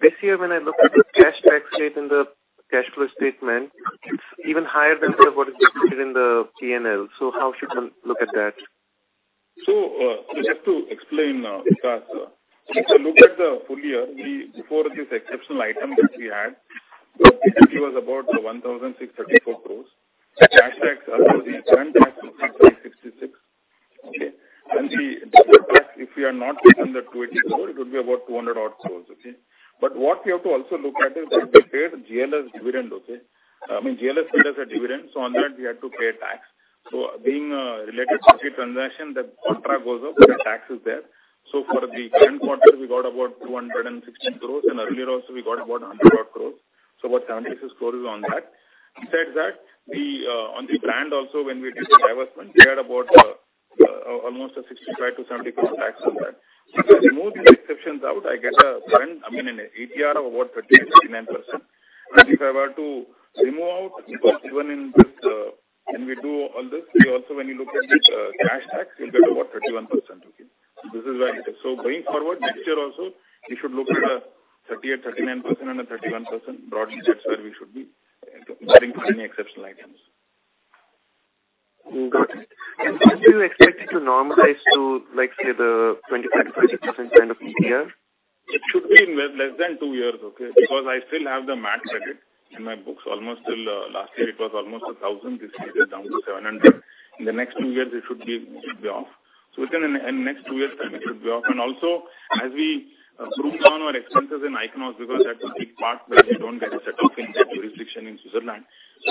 This year when I look at the cash tax rate and the cash flow statement, it's even higher than what is reported in the P&L. How should one look at that? Just to explain, Vikas, if you look at the full year, we, before this exceptional item that we had, the PBT was about 1,634 crores. The cash tax was 866, okay? This is tax, if we are not taking the 280 crore, it would be about 200 odd crores, okay? What we have to also look at is that we paid GLS dividend, okay? I mean, GLS paid us a dividend, so on that we had to pay tax. Being a related party transaction, the contra goes up and the tax is there. For the current quarter we got about 216 crores, and earlier also we got about 100 odd crores. About 760 crores is on that. Besides that, the on the brand also when we did a divestment, we had about almost an 65 crore-70 crore tax on that. If I remove the exceptions out, I get a current, I mean, an ATR of about 30%-39%. If I were to remove out even in this, when we do all this, we also when you look at this cash tax, you'll get about 31%. Okay? This is where it is. Going forward next year also, we should look at 30% or 39% and a 31% broadly. That's where we should be barring for any exceptional items. Got it. When do you expect it to normalize to like, say, the 25%-26% kind of ATR? It should be in less than two years, okay. I still have the MAT credit in my books almost till last year it was almost 1,000. This year they're down to 700. In the next two years it should be off. Within the next two years time it should be off. Also as we prune down our expenses in Ichnos because that's a big part where we don't get a set off in tax jurisdiction in Switzerland.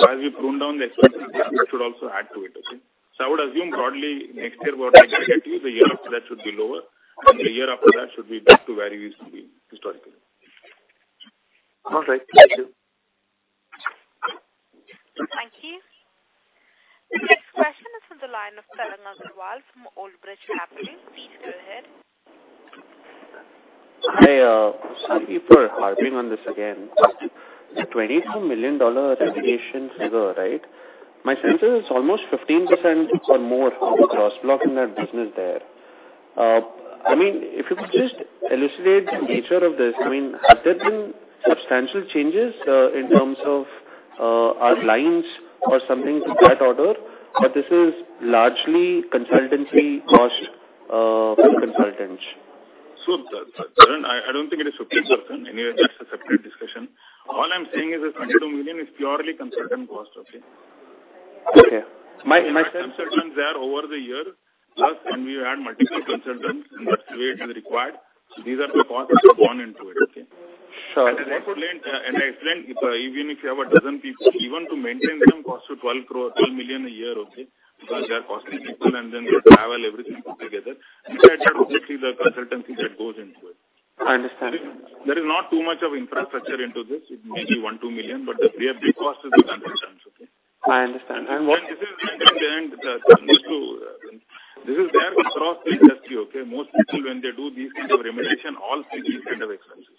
As we prune down the expenses, it should also add to it, okay. I would assume broadly next year about 30%, the year after that should be lower and the year after that should be back to where it used to be historically. All right. Thank you. Thank you. The next question is from the line of Tarang Agarwal from Old Bridge Capital. Please go ahead. Hi, sorry for harping on this again. The $22 million remediation figure, right? My sense is it's almost 15% or more of the gross block in that business there. I mean, if you could just elucidate the nature of this. I mean, have there been substantial changes, in terms of, our lines or something to that order, or this is largely consultancy cost, from consultants? Tarang, I don't think it is 15%. Anyway, that's a separate discussion. All I'm saying is the $22 million is purely consultant cost, okay? Okay. Consultants are over the year plus when we add multiple consultants and that's the way it is required. These are the costs that are borne into it, okay? So- I also explained if, even if you have 12 people, even to maintain them costs you 12 crore, 12 million a year, okay? Because they are costly people and then they have to travel everything put together. Besides that obviously the consultancy that goes into it. I understand. There is not too much of infrastructure into this. It may be 1 million, 2 million, but their big cost is the consultants, okay? I understand. This is standard and almost to. This is where the cross will just be, okay? Most people when they do these kinds of remediation, all things this kind of expenses.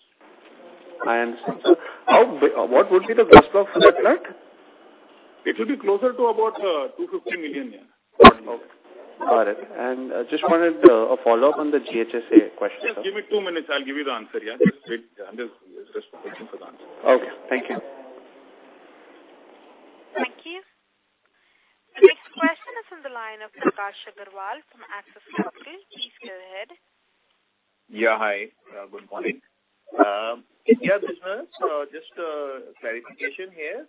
I understand, sir. How what would be the gross block for that plant? It should be closer to about 250 million, yeah. Okay. Got it. I just wanted a follow-up on the GHSA question, sir. Just give me 2 minutes. I'll give you the answer, yeah. Just wait. I'm just searching for the answer. Okay. Thank you. Thank you. The next question is on the line of Prakash Agarwal from Axis Capital. Please go ahead. Yeah. Hi. Good morning. India business, just a clarification here.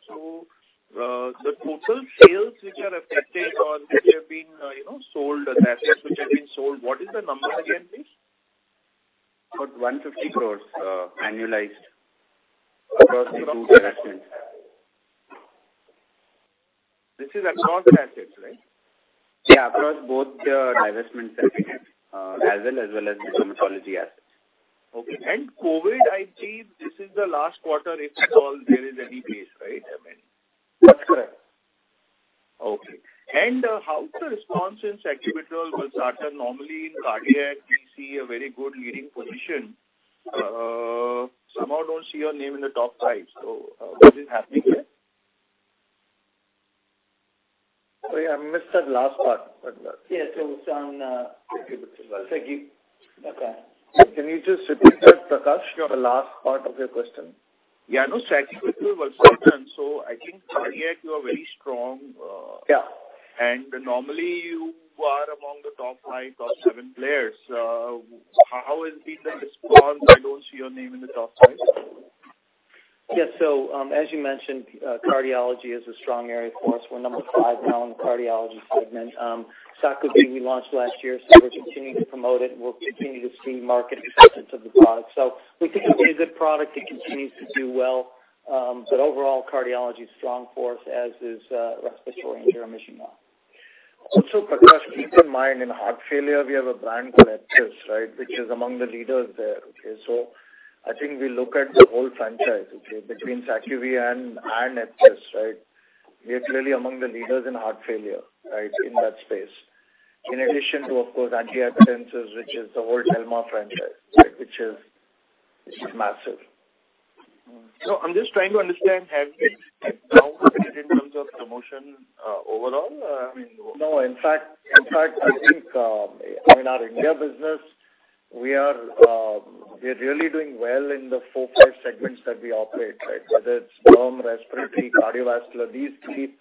The total sales which are affected or which have been, you know, sold, assets which have been sold, what is the number again, please? About INR 150 crores, annualized across the two divestments. This is across assets, right? Yeah, across both the divestments that we have, as well as the dermatology assets. Okay. COVID, I think this is the last quarter it's all there is any case, right? I mean. That's correct. Okay. How is the response in sacubitril, valsartan normally in cardiac we see a very good leading position. Somehow don't see your name in the top five. What is happening there? Sorry, I missed that last part. Yes. it's on sacubitril. Okay. Can you just repeat that, Prakash, your last part of your question? Yeah, no, Sacu V was well done. I think cardiac, you are very strong. Yeah. Normally, you are among the top five, top seven players. How has been the response? I don't see your name in the top five. Yes. As you mentioned, cardiology is a strong area for us. We're number five now in the cardiology segment. Sacu V we launched last year, we're continuing to promote it, and we're continuing to see market acceptance of the product. We think it will be a good product. It continues to do well. Overall cardiology is strong for us as is, respiratory and dermatology. Prakash, keep in mind, in heart failure, we have a brand called Heptis, right, which is among the leaders there. Okay. I think we look at the whole franchise, okay, between Sacu V and Heptis, right? We're clearly among the leaders in heart failure, right, in that space. In addition to, of course, antihypertensives, which is the whole Telma franchise, right, which is massive. I'm just trying to understand, have we downgraded in terms of promotion, overall? No, in fact, I think, I mean, our India business, we are really doing well in the four or five segments that we operate, right? Whether it's derm, respiratory, cardiovascular, these three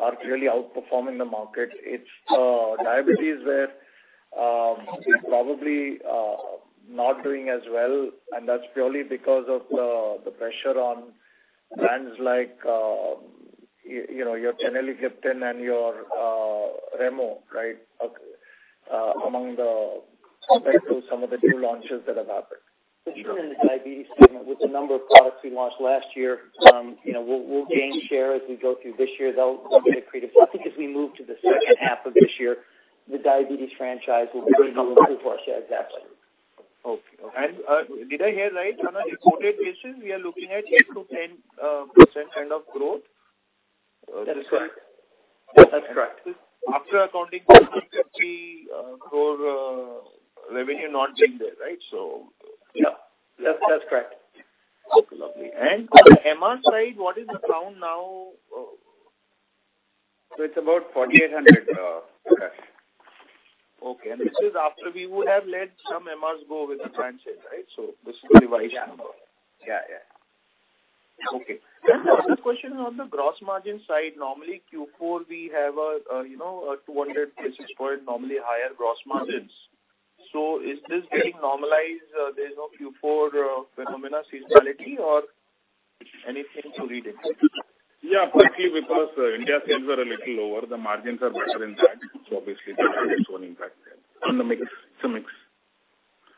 are clearly outperforming the market. It's diabetes where we're probably not doing as well, and that's purely because of the pressure on brands like, you know, your Teneligliptin and your Remo, right? compared to some of the new launches that have happened. Sure. In the diabetes segment with the number of products we launched last year, you know, we'll gain share as we go through this year. They'll be accretive. I think as we move to the second half of this year, the diabetes franchise will be a little bit more. Yeah, exactly. Okay. Did I hear right? On an imported basis, we are looking at 8%-10% kind of growth? That's correct. That's correct. After accounting for INR 250 crore revenue not being there, right? Yeah. That's correct. Okay, lovely. On the MR side, what is the count now? It's about 4,800, Prakash. Okay. This is after we would have let some MRs go with the franchise, right? This is the revised number. Yeah. Yeah. Yeah. Okay. The other question on the gross margin side. Normally Q4 we have a, you know, a 200 basis point normally higher gross margins. Is this getting normalized? There's no Q4 phenomena seasonality or anything to read into it? Yeah. Partly because India sales are a little lower, the margins are better in that. Obviously that has its own impact there. On the mix. It's a mix.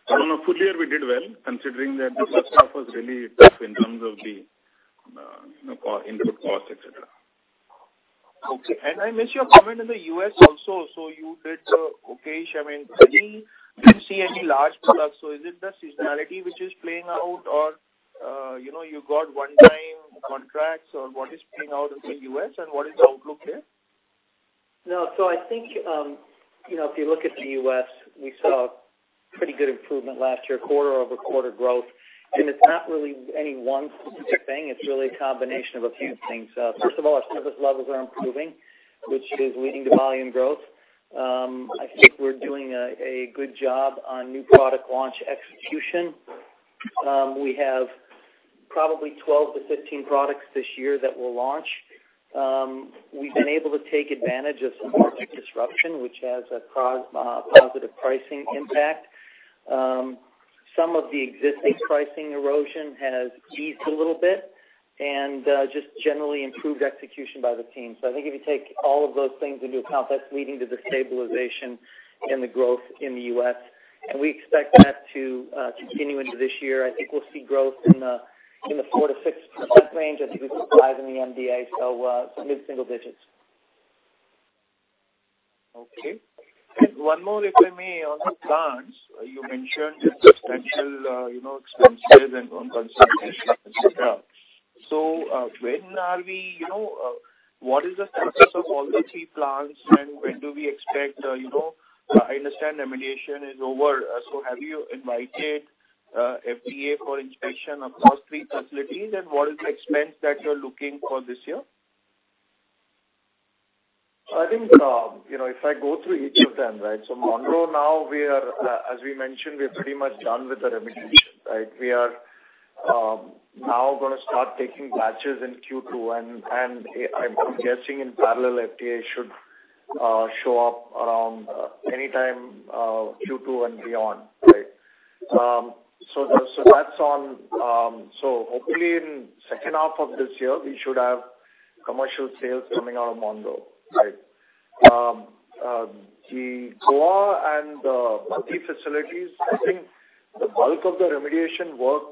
On a full year we did well considering that the first half was really tough in terms of the, you know, input costs, et cetera. Okay. I missed your comment in the U.S. also. You did okay-ish. I mean, I didn't see any large products. Is it the seasonality which is playing out or, you know, you got one time contracts or what is playing out in the U.S. and what is the outlook there? No. I think, you know, if you look at the U.S., we saw pretty good improvement last year, quarter-over-quarter growth. It's not really any one specific thing. It's really a combination of a few things. First of all, our service levels are improving, which is leading to volume growth. I think we're doing a good job on new product launch execution. We have probably 12 to 15 products this year that we'll launch. We've been able to take advantage of some market disruption, which has a positive pricing impact. Some of the existing pricing erosion has eased a little bit and, just generally improved execution by the team. I think if you take all of those things into account, that's leading to the stabilization and the growth in the U.S. We expect that to continue into this year. I think we'll see growth in the 4%-6% range. I think we said five in the NDA. mid-single digits. Okay. One more, if I may, on the plants. You mentioned the substantial, you know, expenses and on consultation, et cetera. You know, what is the status of all the three plants and when do we expect, you know...? I understand remediation is over. Have you invited FDA for inspection of those three facilities? What is the expense that you're looking for this year? I think, you know, if I go through each of them, right? Monroe, now we are, as we mentioned, we are pretty much done with the remediation, right? We are now gonna start taking batches in Q2, and I'm guessing in parallel FDA should show up around anytime Q2 and beyond, right? That's, that's on. Hopefully, in second half of this year, we should have commercial sales coming out of Monroe, right? The Goa and the Baddi facilities, I think the bulk of the remediation work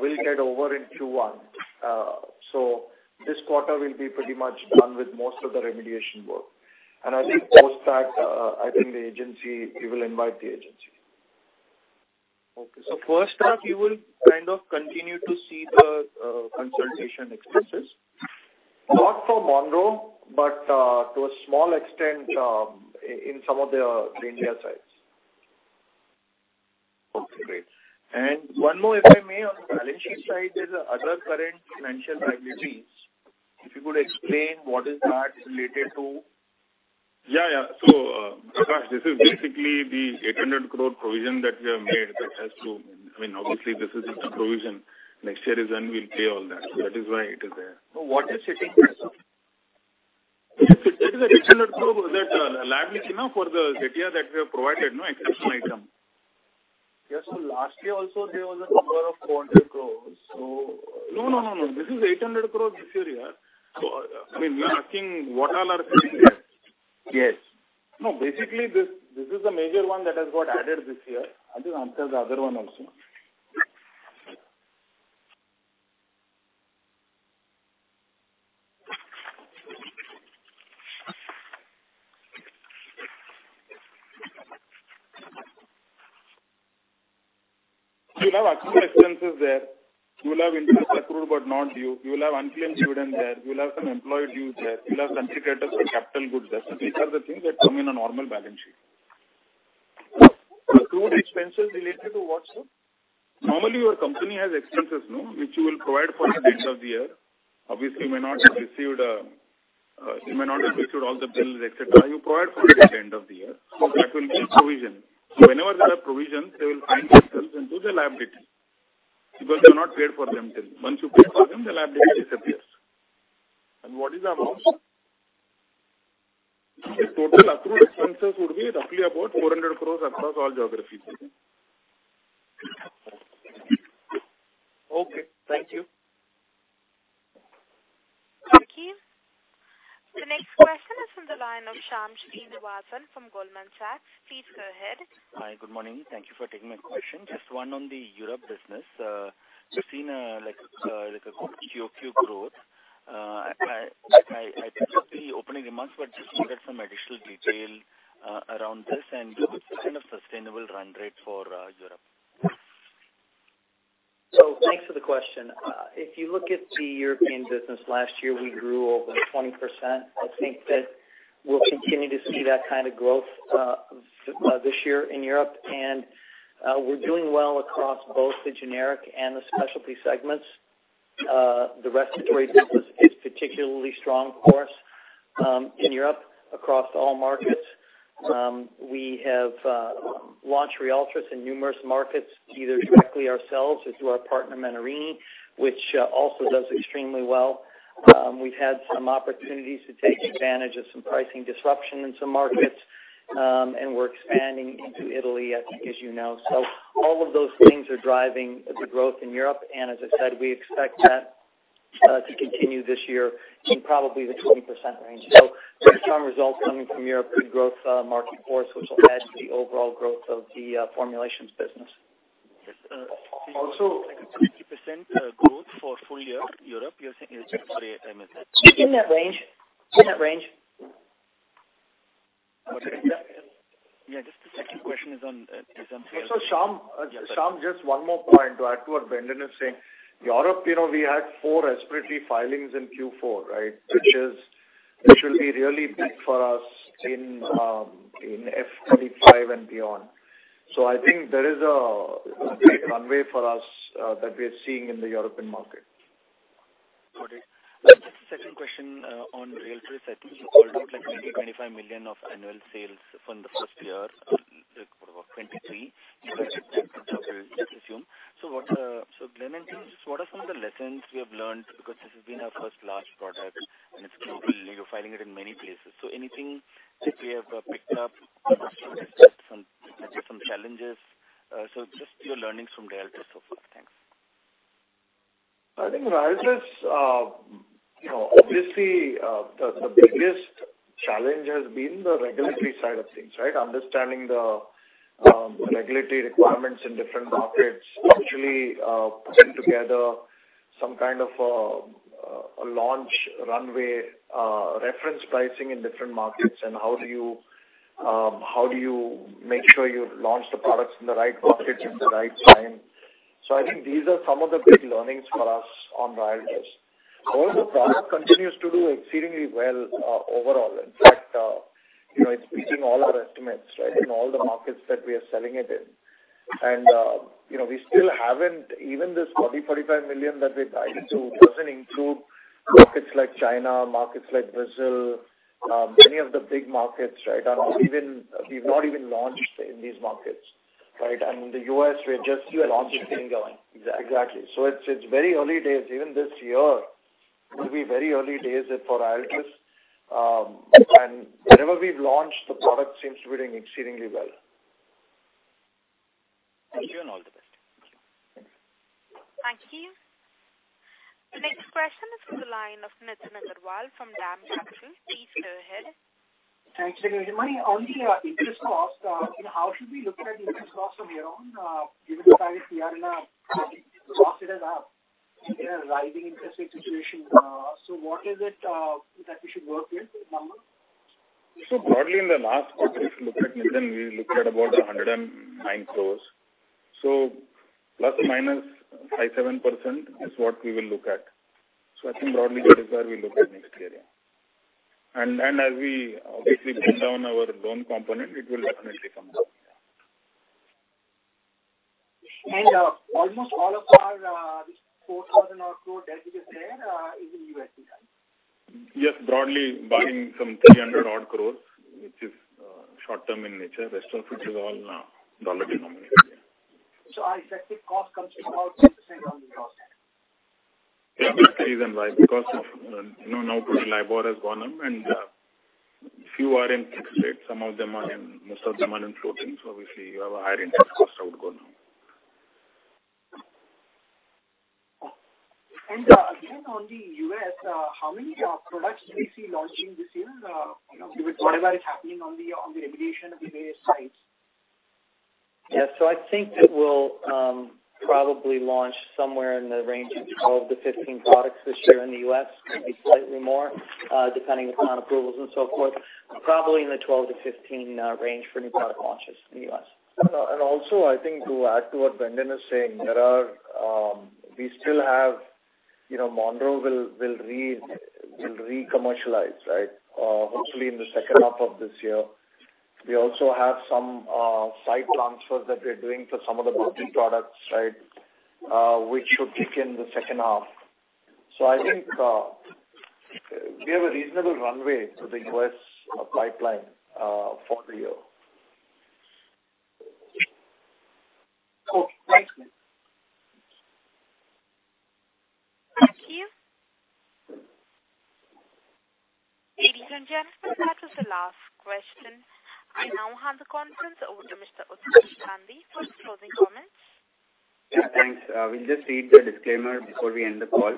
will get over in Q1. This quarter will be pretty much done with most of the remediation work. I think post that, I think the agency, we will invite the agency. Okay. first half you will kind of continue to see the consultation expenses? Not for Monroe, but to a small extent, in some of the Nalagarh sites. Okay, great. One more, if I may, on the balance sheet side, there's other current financial liabilities. If you could explain what is that related to? Yeah, yeah. Prakash, this is basically the 800 crore provision that we have made that has to... I mean, obviously, this is just a provision. Next year is when we'll pay all that. That is why it is there. What is sitting there, sir? It is the INR 800 crore that liability for the debt year that we have provided, exceptional item. Last year also there was a number of 400 crore. No, no, no. This is 800 crore this year. I mean, we are asking what all are sitting there. Yes. Basically this is the major one that has got added this year. I'll just answer the other one also. You'll have actual expenses there. You will have interest accrued, but not due. You will have unclaimed dividend there. You will have some employee dues there. You'll have contributor for capital goods. These are the things that come in a normal balance sheet. Accrued expenses related to what, sir? Normally, your company has expenses no, which you will provide for the date of the year. Obviously, you may not have received all the bills, et cetera. You provide for it at the end of the year. That will be a provision. Whenever there are provisions, they will find themselves into the liability because they're not paid for them still. Once you pay for them, the liability disappears. What is the amount? The total accrued expenses would be roughly about 400 crores across all geographies. Okay. Thank you. Thank you. The next question is from the line of Shyam Srinivasan from Goldman Sachs. Please go ahead. Hi. Good morning. Thank you for taking my question. Just one on the Europe business. We've seen like a good QoQ growth. I think it's the opening remarks, but just wanted some additional detail around this and what's the kind of sustainable run rate for Europe. Thanks for the question. If you look at the European business, last year, we grew over 20%. I think that we'll continue to see that kind of growth this year in Europe. We're doing well across both the generic and the specialty segments. The respiratory business is particularly strong for us in Europe across all markets. We have launched Ryaltris in numerous markets, either directly ourselves or through our partner, Menarini, which also does extremely well. We've had some opportunities to take advantage of some pricing disruption in some markets, and we're expanding into Italy, I think, as you know. All of those things are driving the growth in Europe, and as I said, we expect that to continue this year in probably the 20% range. Some results coming from Europe, good growth, market for us, which will add to the overall growth of the formulations business. Also- 20% growth for full year Europe, you're saying is a good estimate? In that range. In that range. Yeah. Just the second question is on... Shyam, just one more point to add to what Brendan is saying. Europe, you know, we had four respiratory filings in Q4, right, which will be really big for us in FY2025 and beyond. I think there is a great runway for us that we are seeing in the European market. Got it. Just a second question, on Ryaltris. I think you called out like maybe 25 million of annual sales from the first year, like for about 2023. Yeah. Let's assume. What, so Brendan, just what are some of the lessons you have learned? This has been our first large product and it's global. You're filing it in many places. Anything that we have picked up, some, maybe some challenges. Just your learnings from Ryaltris so far. Thanks. I think Ryaltris, obviously, the biggest challenge has been the regulatory side of things, right? Understanding the regulatory requirements in different markets, putting together some kind of a launch runway, reference pricing in different markets and how do you make sure you launch the products in the right markets at the right time? I think these are some of the big learnings for us on Ryaltris. Although the product continues to do exceedingly well overall. In fact, it's beating all our estimates, right, in all the markets that we are selling it in. Even this 40 million, 35 million that we guided to doesn't include markets like China, markets like Brazil. Many of the big markets, right, we've not even launched in these markets, right? The U.S., we're just launching going. Exactly. It's very early days. Even this year will be very early days for Ryaltris. Wherever we've launched, the product seems to be doing exceedingly well. Thank you. All the best. Thank you. Thank you. The next question is from the line of Nitin Agarwal from DAM Capital. Please go ahead. Thanks. On the interest cost, you know, how should we look at interest cost from here on, given the fact we are in a rising interest rate situation? What is it that we should work with, number? Broadly in the last quarter, if you look at Nitin, we looked at about 109 crores. Plus or minus 5%-7% is what we will look at. I think broadly that is where we look at next year. Then as we obviously bring down our loan component, it will definitely come down. Almost all of our, this 4,000 odd crores debt you just said, is in U.S., right? Yes, broadly borrowing some 300 odd crores, which is short term in nature. Rest of it is all, dollar denominated. Our effective cost comes to about 10% on the gross, then. That's the reason why, because of, you know, now putting LIBOR has gone up and few are in fixed rate. Most of them are in floating, so obviously you have a higher interest cost outgo now. Again, on the U.S., how many products do you see launching this year? You know, give it whatever is happening on the, on the regulation of the various sites. I think it will probably launch somewhere in the range of 12 to 15 products this year in the U.S., maybe slightly more, depending upon approvals and so forth. Probably in the 12-15 range for new product launches in the U.S. Also I think to add to what Brendan is saying, there are, we still have, you know, Monroe will re-commercialize, right? Hopefully in the second half of this year. We also have some site transfers that we're doing for some of the building products, right? Which should kick in the second half. I think, we have a reasonable runway to the U.S. pipeline for the year. Okay. Thanks. Thank you. Ladies and gentlemen, that was the last question. I now hand the conference over to Mr. Utkarsh Gandhi for closing comments. Yeah, thanks. We'll just read the disclaimer before we end the call.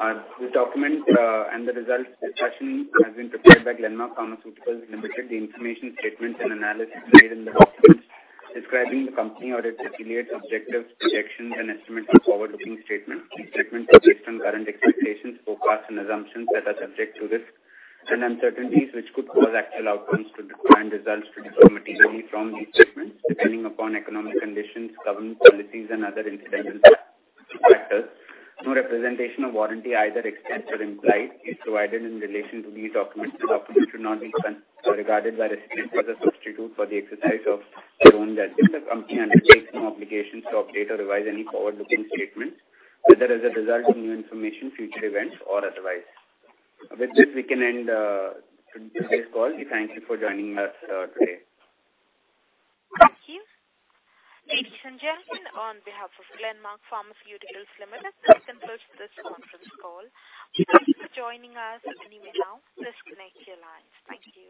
The document and the results discussion has been prepared by Glenmark Pharmaceuticals Limited, the information, statements and analysis made in the documents describing the company or its affiliates, objectives, projections and estimates are forward-looking statements. These statements are based on current expectations, forecasts and assumptions that are subject to risk and uncertainties, which could cause actual outcomes to differ and results to differ materially from these statements, depending upon economic conditions, government policies and other incidental factors. No representation or warranty, either expressed or implied, is provided in relation to these documents. The documents should not be regarded by recipients as a substitute for the exercise of their own judgment. The company undertakes no obligation to update or revise any forward-looking statements, whether as a result of new information, future events or otherwise. With this, we can end today's call. We thank you for joining us today. Thank you. Ladies and gentlemen, on behalf of Glenmark Pharmaceuticals Limited, this concludes this conference call. Thank you for joining us. You may now disconnect your lines. Thank you.